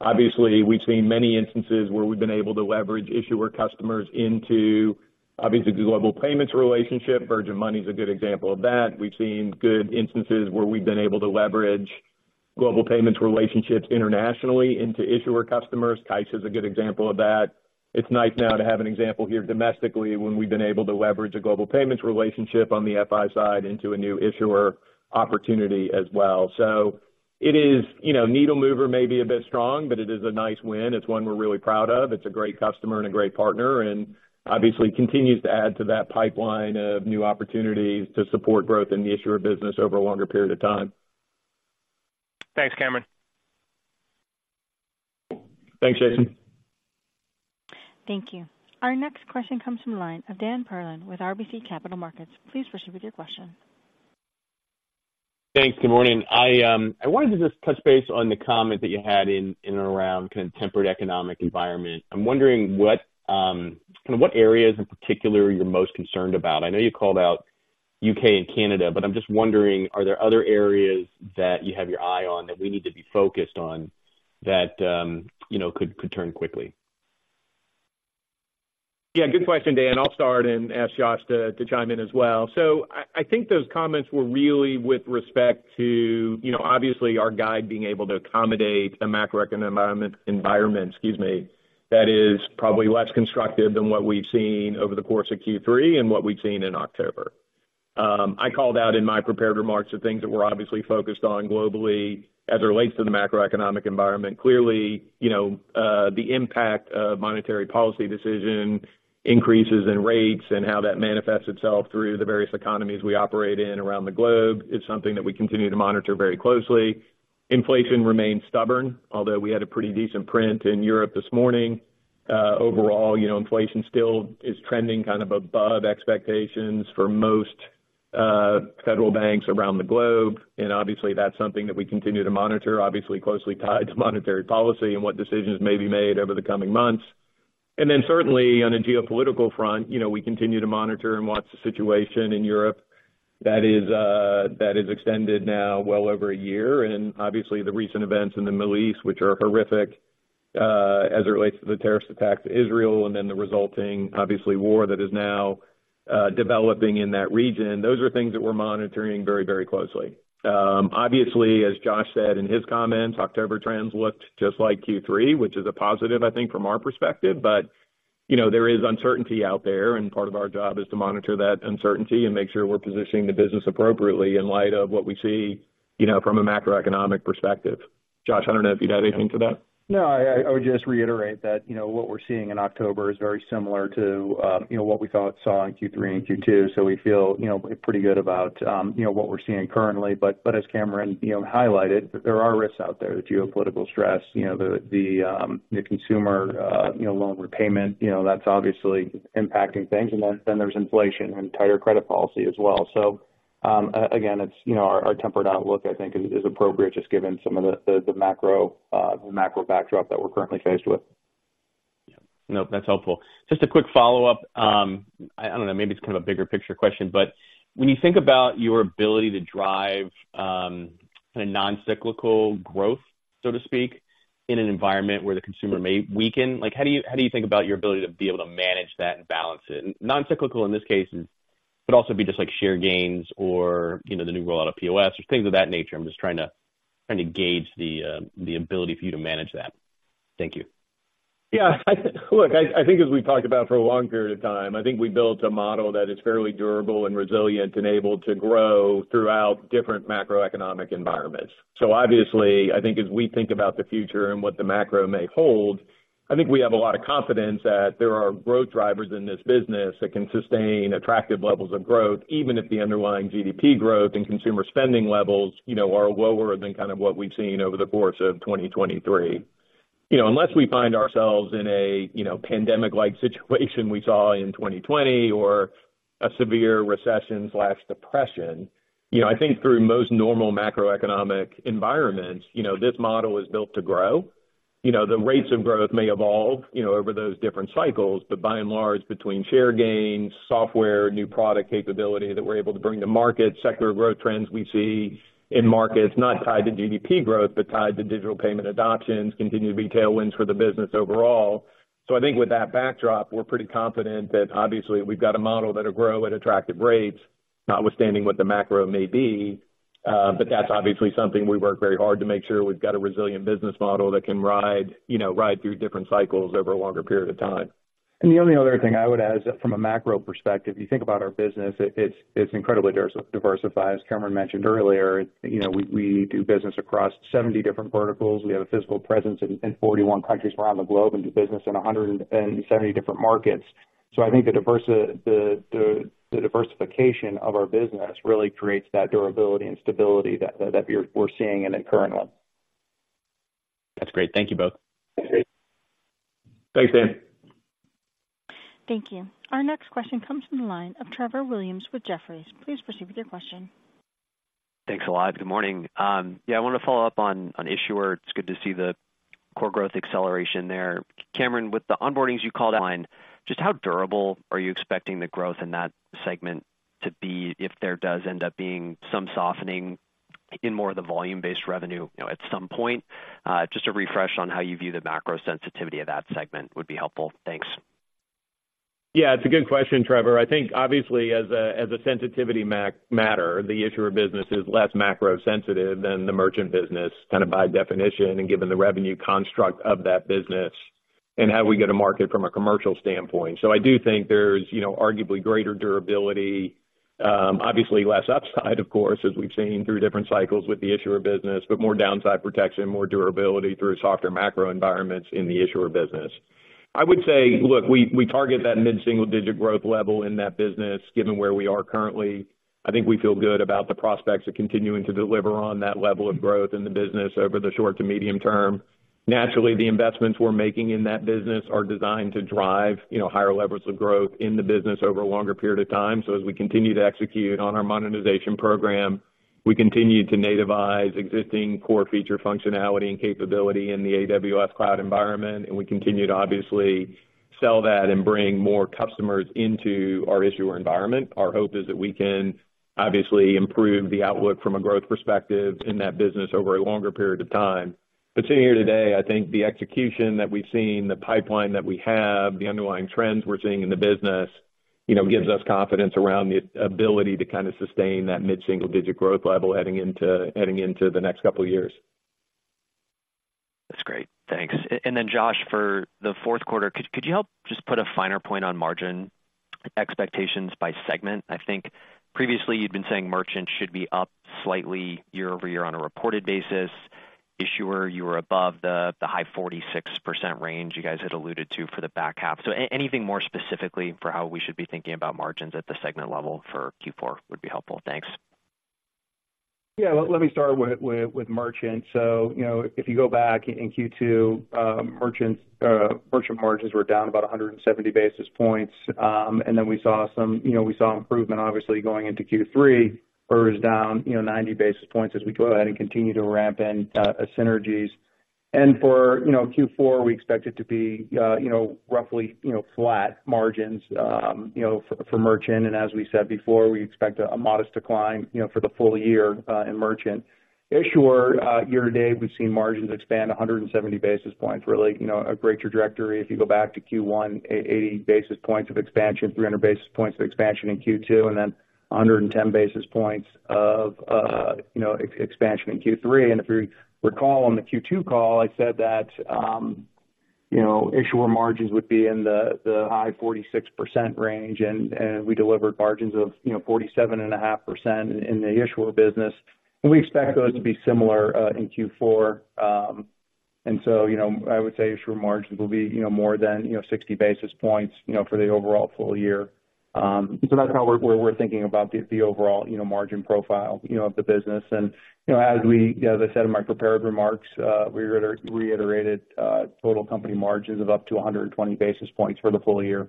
Obviously, we've seen many instances where we've been able to leverage issuer customers into, obviously, the Global Payments relationship. Virgin Money is a good example of that. We've seen good instances where we've been able to leverage Global Payments relationships internationally into issuer customers. TSB is a good example of that. It's nice now to have an example here domestically, when we've been able to leverage a Global Payments relationship on the FI side into a new issuer opportunity as well. So it is, you know, needle mover may be a bit strong, but it is a nice win. It's one we're really proud of. It's a great customer and a great partner, and obviously continues to add to that pipeline of new opportunities to support growth in the issuer business over a longer period of time. Thanks, Cameron. Thanks, Jason. Thank you. Our next question comes from the line of Dan Perlin with RBC Capital Markets. Please proceed with your question. Thanks. Good morning. I wanted to just touch base on the comment that you had in and around kind of temperate economic environment. I'm wondering what kind of what areas in particular you're most concerned about. I know you called out U.K. and Canada, but I'm just wondering, are there other areas that you have your eye on that we need to be focused on that you know could turn quickly? Yeah, good question, Dan. I'll start and ask Josh to chime in as well. So I think those comments were really with respect to, you know, obviously our guide being able to accommodate a macroeconomic environment, excuse me, that is probably less constructive than what we've seen over the course of Q3 and what we've seen in October. I called out in my prepared remarks the things that we're obviously focused on globally as it relates to the macroeconomic environment. Clearly, you know, the impact of monetary policy decision, increases in rates, and how that manifests itself through the various economies we operate in around the globe, is something that we continue to monitor very closely. Inflation remains stubborn, although we had a pretty decent print in Europe this morning. Overall, you know, inflation still is trending kind of above expectations for most federal banks around the globe. And obviously, that's something that we continue to monitor, obviously, closely tied to monetary policy and what decisions may be made over the coming months. And then certainly on a geopolitical front, you know, we continue to monitor and watch the situation in Europe that is that is extended now well over a year. And obviously, the recent events in the Middle East, which are horrific, as it relates to the terrorist attacks in Israel, and then the resulting, obviously, war that is now developing in that region. Those are things that we're monitoring very, very closely. Obviously, as Josh said in his comments, October trends looked just like Q3, which is a positive, I think, from our perspective. But, you know, there is uncertainty out there, and part of our job is to monitor that uncertainty and make sure we're positioning the business appropriately in light of what we see, you know, from a macroeconomic perspective. Josh, I don't know if you'd add anything to that. No, I would just reiterate that, you know, what we're seeing in October is very similar to, you know, what we saw in Q3 and Q2. So we feel, you know, pretty good about, you know, what we're seeing currently. But as Cameron, you know, highlighted, there are risks out there, the geopolitical stress, you know, the consumer loan repayment, you know, that's obviously impacting things. And then there's inflation and tighter credit policy as well. So again, it's, you know, our tempered outlook, I think, is appropriate, just given some of the macro backdrop that we're currently faced with. Yeah. No, that's helpful. Just a quick follow-up. I don't know, maybe it's kind of a bigger picture question, but when you think about your ability to drive a non-cyclical growth, so to speak, in an environment where the consumer may weaken, like, how do you, how do you think about your ability to be able to manage that and balance it? Non-cyclical in this case could also be just like share gains or, you know, the new rollout of POS or things of that nature. I'm just trying to, trying to gauge the ability for you to manage that. Thank you. Yeah, look, I think as we've talked about for a long period of time, I think we built a model that is fairly durable and resilient and able to grow throughout different macroeconomic environments. So obviously, I think as we think about the future and what the macro may hold, I think we have a lot of confidence that there are growth drivers in this business that can sustain attractive levels of growth, even if the underlying GDP growth and consumer spending levels, you know, are lower than kind of what we've seen over the course of 2023. You know, unless we find ourselves in a, you know, pandemic-like situation we saw in 2020 or a severe recession/depression, you know, I think through most normal macroeconomic environments, you know, this model is built to grow. You know, the rates of growth may evolve, you know, over those different cycles, but by and large, between share gains, software, new product capability that we're able to bring to market, sector growth trends we see in markets not tied to GDP growth, but tied to digital payment adoptions, continue to be tailwinds for the business overall. So I think with that backdrop, we're pretty confident that obviously we've got a model that'll grow at attractive rates, notwithstanding what the macro may be. But that's obviously something we work very hard to make sure we've got a resilient business model that can ride, you know, ride through different cycles over a longer period of time. And the only other thing I would add is, from a macro perspective, you think about our business, it's incredibly diversified. As Cameron mentioned earlier, you know, we do business across 70 different verticals. We have a physical presence in 41 countries around the globe and do business in 170 different markets. So I think the diversification of our business really creates that durability and stability that we're seeing in the current one. That's great. Thank you both. Thanks, Dan. Thank you. Our next question comes from the line of Trevor Williams with Jefferies. Please proceed with your question. Thanks a lot. Good morning. Yeah, I want to follow up on, on issuer. It's good to see the core growth acceleration there. Cameron, with the onboardings you called online, just how durable are you expecting the growth in that segment to be if there does end up being some softening in more of the volume-based revenue, you know, at some point? Just a refresh on how you view the macro sensitivity of that segment would be helpful. Thanks. Yeah, it's a good question, Trevor. I think, obviously, as a sensitivity matter, the issuer business is less macro sensitive than the merchant business, kind of by definition, and given the revenue construct of that business and how we go to market from a commercial standpoint. So I do think there's, you know, arguably greater durability, obviously less upside, of course, as we've seen through different cycles with the issuer business, but more downside protection, more durability through softer macro environments in the issuer business. I would say, look, we target that mid-single-digit growth level in that business, given where we are currently. I think we feel good about the prospects of continuing to deliver on that level of growth in the business over the short to medium term. Naturally, the investments we're making in that business are designed to drive, you know, higher levels of growth in the business over a longer period of time. So as we continue to execute on our monetization program, we continue to nativize existing core feature functionality and capability in the AWS cloud environment, and we continue to obviously sell that and bring more customers into our issuer environment. Our hope is that we can obviously improve the outlook from a growth perspective in that business over a longer period of time. But sitting here today, I think the execution that we've seen, the pipeline that we have, the underlying trends we're seeing in the business, you know, gives us confidence around the ability to kind of sustain that mid-single-digit growth level heading into, heading into the next couple of years. That's great. Thanks. And then, Josh, for the fourth quarter, could you help just put a finer point on margin expectations by segment? I think previously you'd been saying merchants should be up slightly year-over-year on a reported basis. Issuer, you were above the high 46% range you guys had alluded to for the back half. So anything more specifically for how we should be thinking about margins at the segment level for Q4 would be helpful. Thanks. Yeah. Let me start with merchant. So you know, if you go back in Q2, merchant margins were down about 170 basis points. And then we saw some... You know, we saw improvement, obviously, going into Q3, where it was down, you know, 90 basis points as we go ahead and continue to ramp in synergies. And for, you know, Q4, we expect it to be, you know, roughly, you know, flat margins, you know, for merchant. And as we said before, we expect a modest decline, you know, for the full year in merchant. Issuer, year to date, we've seen margins expand 170 basis points. Really, you know, a greater trajectory if you go back to Q1, 80 basis points of expansion, 300 basis points of expansion in Q2, and then 110 basis points of expansion in Q3. And if you recall, on the Q2 call, I said that, you know, issuer margins would be in the high 46% range, and we delivered margins of, you know, 47.5% in the issuer business, and we expect those to be similar in Q4. And so, you know, I would say issuer margins will be, you know, more than, you know, 60 basis points for the overall full year. So that's how we're thinking about the overall, you know, margin profile, you know, of the business. You know, as I said in my prepared remarks, we reiterated total company margins of up to 120 basis points for the full year.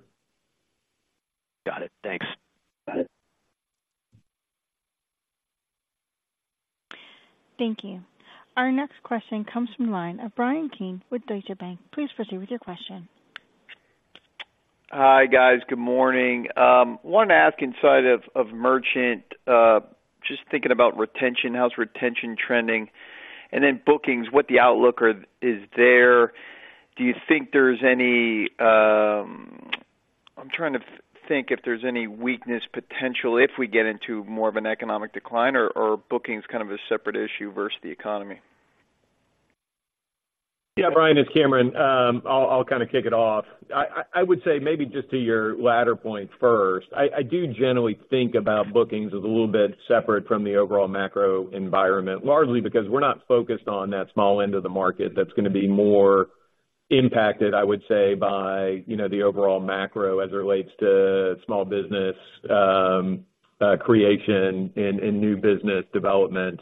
Got it. Thanks. Got it. Thank you. Our next question comes from the line of Bryan Keane with Deutsche Bank. Please proceed with your question. Hi, guys. Good morning. Wanted to ask inside of, of merchant, just thinking about retention, how's retention trending? And then bookings, what the outlook is there. Do you think there's any... I'm trying to think if there's any weakness potential if we get into more of an economic decline or, or bookings kind of a separate issue versus the economy. Yeah, Bryan, it's Cameron. I'll kind of kick it off. I would say maybe just to your latter point first. I do generally think about bookings as a little bit separate from the overall macro environment, largely because we're not focused on that small end of the market that's gonna be more impacted, I would say, by, you know, the overall macro as it relates to small business creation and new business development.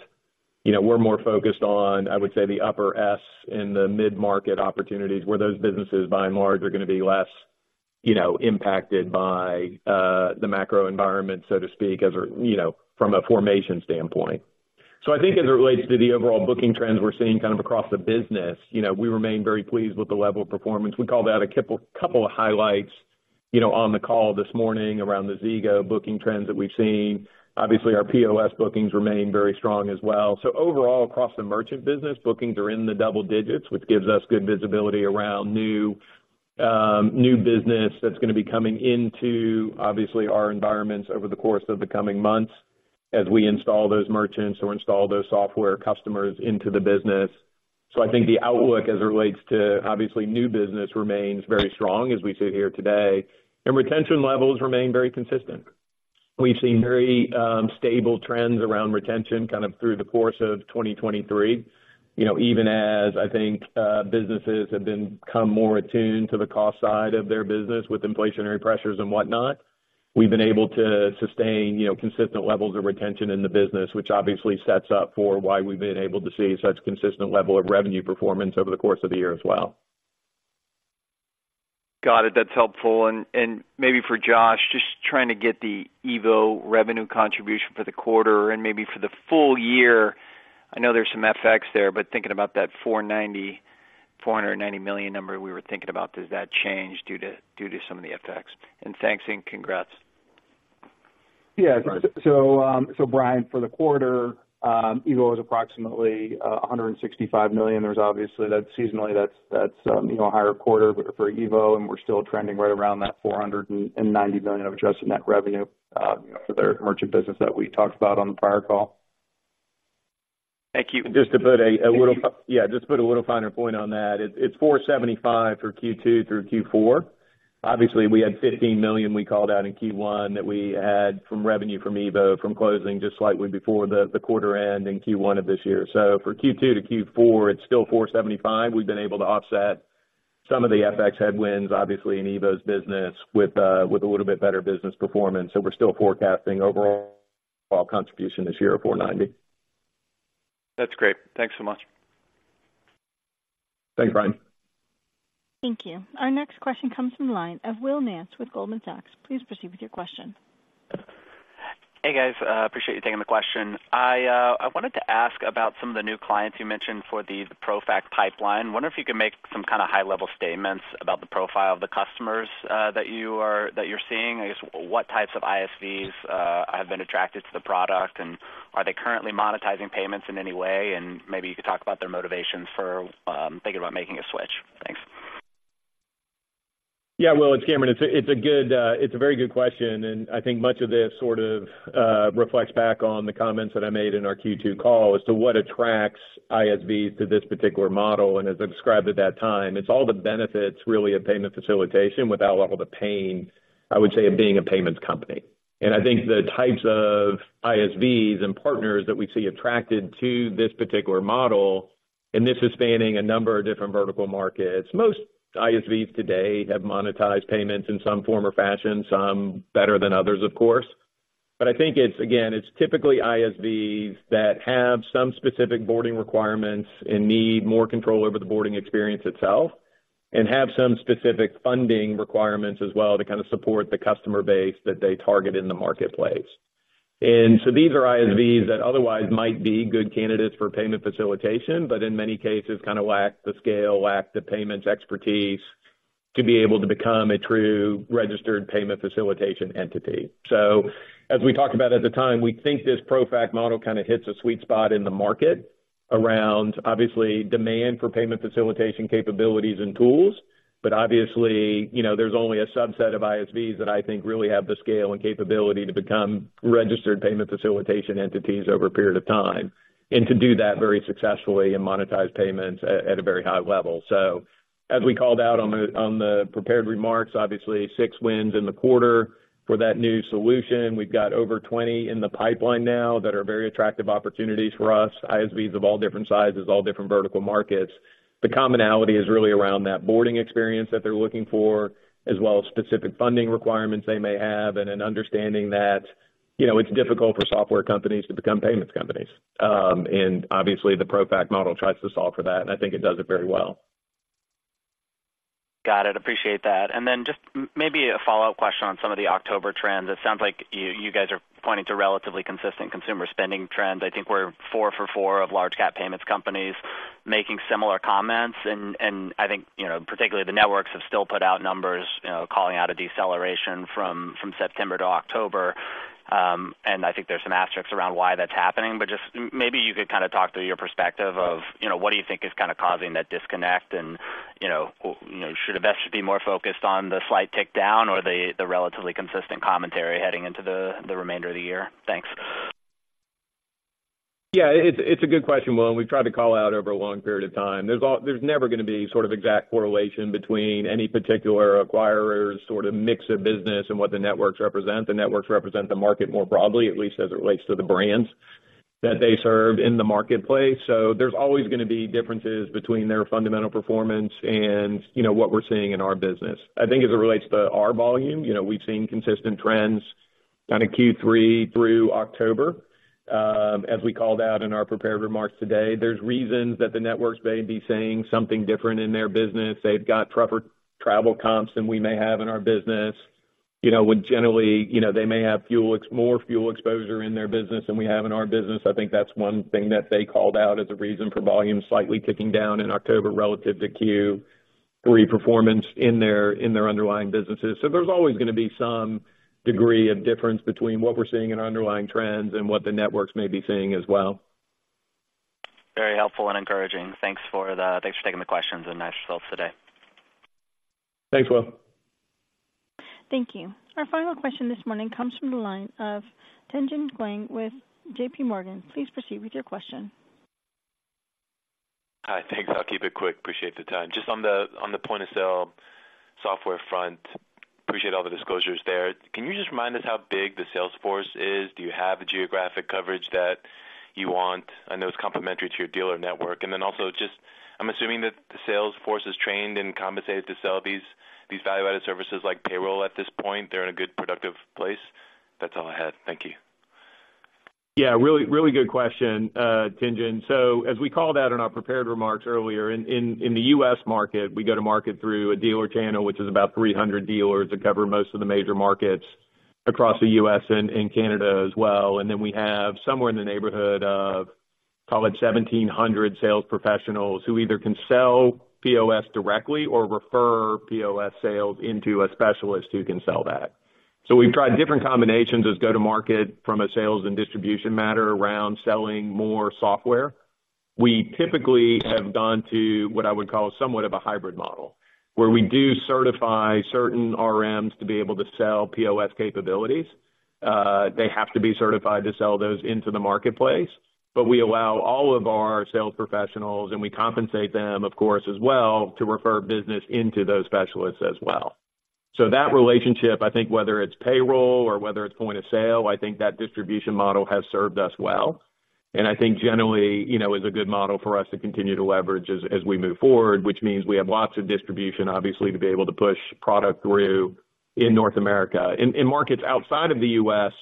You know, we're more focused on, I would say, the upper S and the mid-market opportunities, where those businesses, by and large, are gonna be less, you know, impacted by the macro environment, so to speak, as a, you know, from a formation standpoint. So I think as it relates to the overall booking trends we're seeing kind of across the business, you know, we remain very pleased with the level of performance. We called out a couple of highlights, you know, on the call this morning around the Zego booking trends that we've seen. Obviously, our POS bookings remain very strong as well. So overall, across the merchant business, bookings are in the double digits, which gives us good visibility around new, new business that's gonna be coming into, obviously, our environments over the course of the coming months as we install those merchants or install those software customers into the business. So I think the outlook as it relates to, obviously, new business remains very strong as we sit here today, and retention levels remain very consistent. We've seen very stable trends around retention, kind of through the course of 2023. You know, even as I think, businesses have become more attuned to the cost side of their business with inflationary pressures and whatnot, we've been able to sustain, you know, consistent levels of retention in the business, which obviously sets up for why we've been able to see such consistent level of revenue performance over the course of the year as well. Got it. That's helpful. And maybe for Josh, just trying to get the EVO revenue contribution for the quarter and maybe for the full year. I know there's some FX there, but thinking about that $490 million number we were thinking about, does that change due to some of the FX? Thanks and congrats.... Yeah. So, Bryan, for the quarter, EVO is approximately $165 million. There's obviously that's seasonally that's you know a higher quarter for EVO, and we're still trending right around that $490 million of adjusted net revenue for their merchant business that we talked about on the prior call. Thank you. Just to put a little finer point on that. It's 475 for Q2 through Q4. Obviously, we had $15 million we called out in Q1 that we had from revenue from EVO, from closing just slightly before the quarter end in Q1 of this year. So for Q2 to Q4, it's still 475. We've been able to offset some of the FX headwinds, obviously, in EVO's business with a little bit better business performance. So we're still forecasting overall contribution this year of 490. That's great. Thanks so much. Thanks, Bryan. Thank you. Our next question comes from the line of Will Nance with Goldman Sachs. Please proceed with your question. Hey, guys, appreciate you taking the question. I wanted to ask about some of the new clients you mentioned for the ProFac pipeline. I wonder if you could make some kind of high-level statements about the profile of the customers that you're seeing. I guess, what types of ISVs have been attracted to the product, and are they currently monetizing payments in any way? And maybe you could talk about their motivations for thinking about making a switch. Thanks. Yeah, Will, it's Cameron. It's a, it's a good. It's a very good question, and I think much of this sort of reflects back on the comments that I made in our Q2 call as to what attracts ISVs to this particular model. And as I described at that time, it's all the benefits really of payment facilitation without all the pain, I would say, of being a payments company. And I think the types of ISVs and partners that we see attracted to this particular model, and this is spanning a number of different vertical markets. Most ISVs today have monetized payments in some form or fashion, some better than others, of course. But I think it's, again, it's typically ISVs that have some specific boarding requirements and need more control over the boarding experience itself, and have some specific funding requirements as well, to kind of support the customer base that they target in the marketplace. And so these are ISVs that otherwise might be good candidates for payment facilitation, but in many cases, kind of lack the scale, lack the payments expertise to be able to become a true registered payment facilitation entity. So as we talked about at the time, we think this ProFac model kind of hits a sweet spot in the market around obviously demand for payment facilitation capabilities and tools. But obviously, you know, there's only a subset of ISVs that I think really have the scale and capability to become registered payment facilitation entities over a period of time, and to do that very successfully and monetize payments at a very high level. So as we called out on the prepared remarks, obviously six wins in the quarter for that new solution. We've got over 20 in the pipeline now that are very attractive opportunities for us, ISVs of all different sizes, all different vertical markets. The commonality is really around that boarding experience that they're looking for, as well as specific funding requirements they may have, and an understanding that, you know, it's difficult for software companies to become payments companies. And obviously, the ProFac model tries to solve for that, and I think it does it very well. Got it. Appreciate that. And then just maybe a follow-up question on some of the October trends. It sounds like you, you guys are pointing to relatively consistent consumer spending trends. I think we're four for four of large cap payments companies making similar comments. And, and I think, you know, particularly the networks have still put out numbers, you know, calling out a deceleration from, from September to October. And I think there's some asterisks around why that's happening. But just maybe you could kind of talk through your perspective of, you know, what do you think is kind of causing that disconnect? And, you know, you know, should investors be more focused on the slight tick down or the, the relatively consistent commentary heading into the, the remainder of the year? Thanks. Yeah, it's a good question, Will, and we've tried to call out over a long period of time. There's never gonna be sort of exact correlation between any particular acquirers, sort of mix of business and what the networks represent. The networks represent the market more broadly, at least as it relates to the brands that they serve in the marketplace. So there's always gonna be differences between their fundamental performance and, you know, what we're seeing in our business. I think as it relates to our volume, you know, we've seen consistent trends out of Q3 through October. As we called out in our prepared remarks today, there's reasons that the networks may be saying something different in their business. They've got tougher travel comps than we may have in our business. You know, when generally, you know, they may have more fuel exposure in their business than we have in our business. I think that's one thing that they called out as a reason for volume slightly ticking down in October relative to Q3 performance in their underlying businesses. So there's always gonna be some degree of difference between what we're seeing in our underlying trends and what the networks may be seeing as well. Very helpful and encouraging. Thanks for taking the questions and nice results today. Thanks, Will. Thank you. Our final question this morning comes from the line of Tien-Tsin Huang with JP Morgan. Please proceed with your question. Hi. Thanks. I'll keep it quick. Appreciate the time. Just on the, on the point-of-sale software front, appreciate all the disclosures there. Can you just remind us how big the sales force is? Do you have the geographic coverage that you want, and that was complementary to your dealer network? And then also just, I'm assuming that the sales force is trained and compensated to sell these, these value-added services like payroll, at this point, they're in a good, productive place? That's all I had. Thank you. Yeah, really, really good question, uh, Tien-Tsin. So as we called out in our prepared remarks earlier, in the U.S. market, we go to market through a dealer channel, which is about 300 dealers that cover most of the major markets across the U.S. and Canada as well. And then we have somewhere in the neighborhood of call it 1,700 sales professionals who either can sell POS directly or refer POS sales into a specialist who can sell that. So we've tried different combinations as go-to-market from a sales and distribution matter around selling more software. We typically have gone to what I would call somewhat of a hybrid model, where we do certify certain RMs to be able to sell POS capabilities. They have to be certified to sell those into the marketplace, but we allow all of our sales professionals, and we compensate them, of course, as well, to refer business into those specialists as well. So that relationship, I think, whether it's payroll or whether it's point of sale, I think that distribution model has served us well. And I think generally, you know, is a good model for us to continue to leverage as we move forward, which means we have lots of distribution, obviously, to be able to push product through in North America. In markets outside of the U.S.,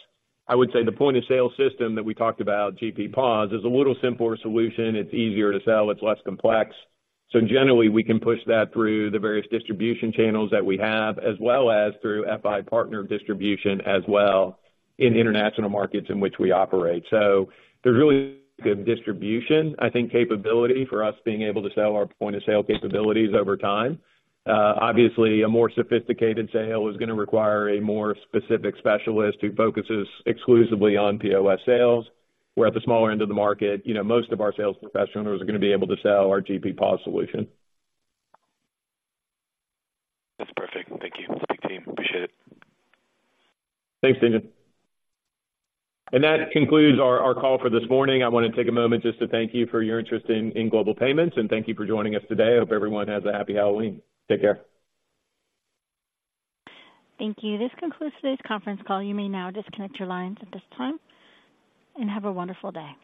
I would say the point-of-sale system that we talked about, GP POS, is a little simpler solution. It's easier to sell, it's less complex. So generally, we can push that through the various distribution channels that we have, as well as through FI partner distribution as well in international markets in which we operate. So there's really good distribution, I think, capability for us being able to sell our point-of-sale capabilities over time. Obviously, a more sophisticated sale is gonna require a more specific specialist who focuses exclusively on POS sales, where at the smaller end of the market, you know, most of our sales professionals are gonna be able to sell our GP POS solution. That's perfect. Thank you, team. Appreciate it. Thanks, Tien-Tsin. That concludes our call for this morning. I want to take a moment just to thank you for your interest in Global Payments, and thank you for joining us today. I hope everyone has a happy Halloween. Take care. Thank you. This concludes today's conference call. You may now disconnect your lines at this time, and have a wonderful day.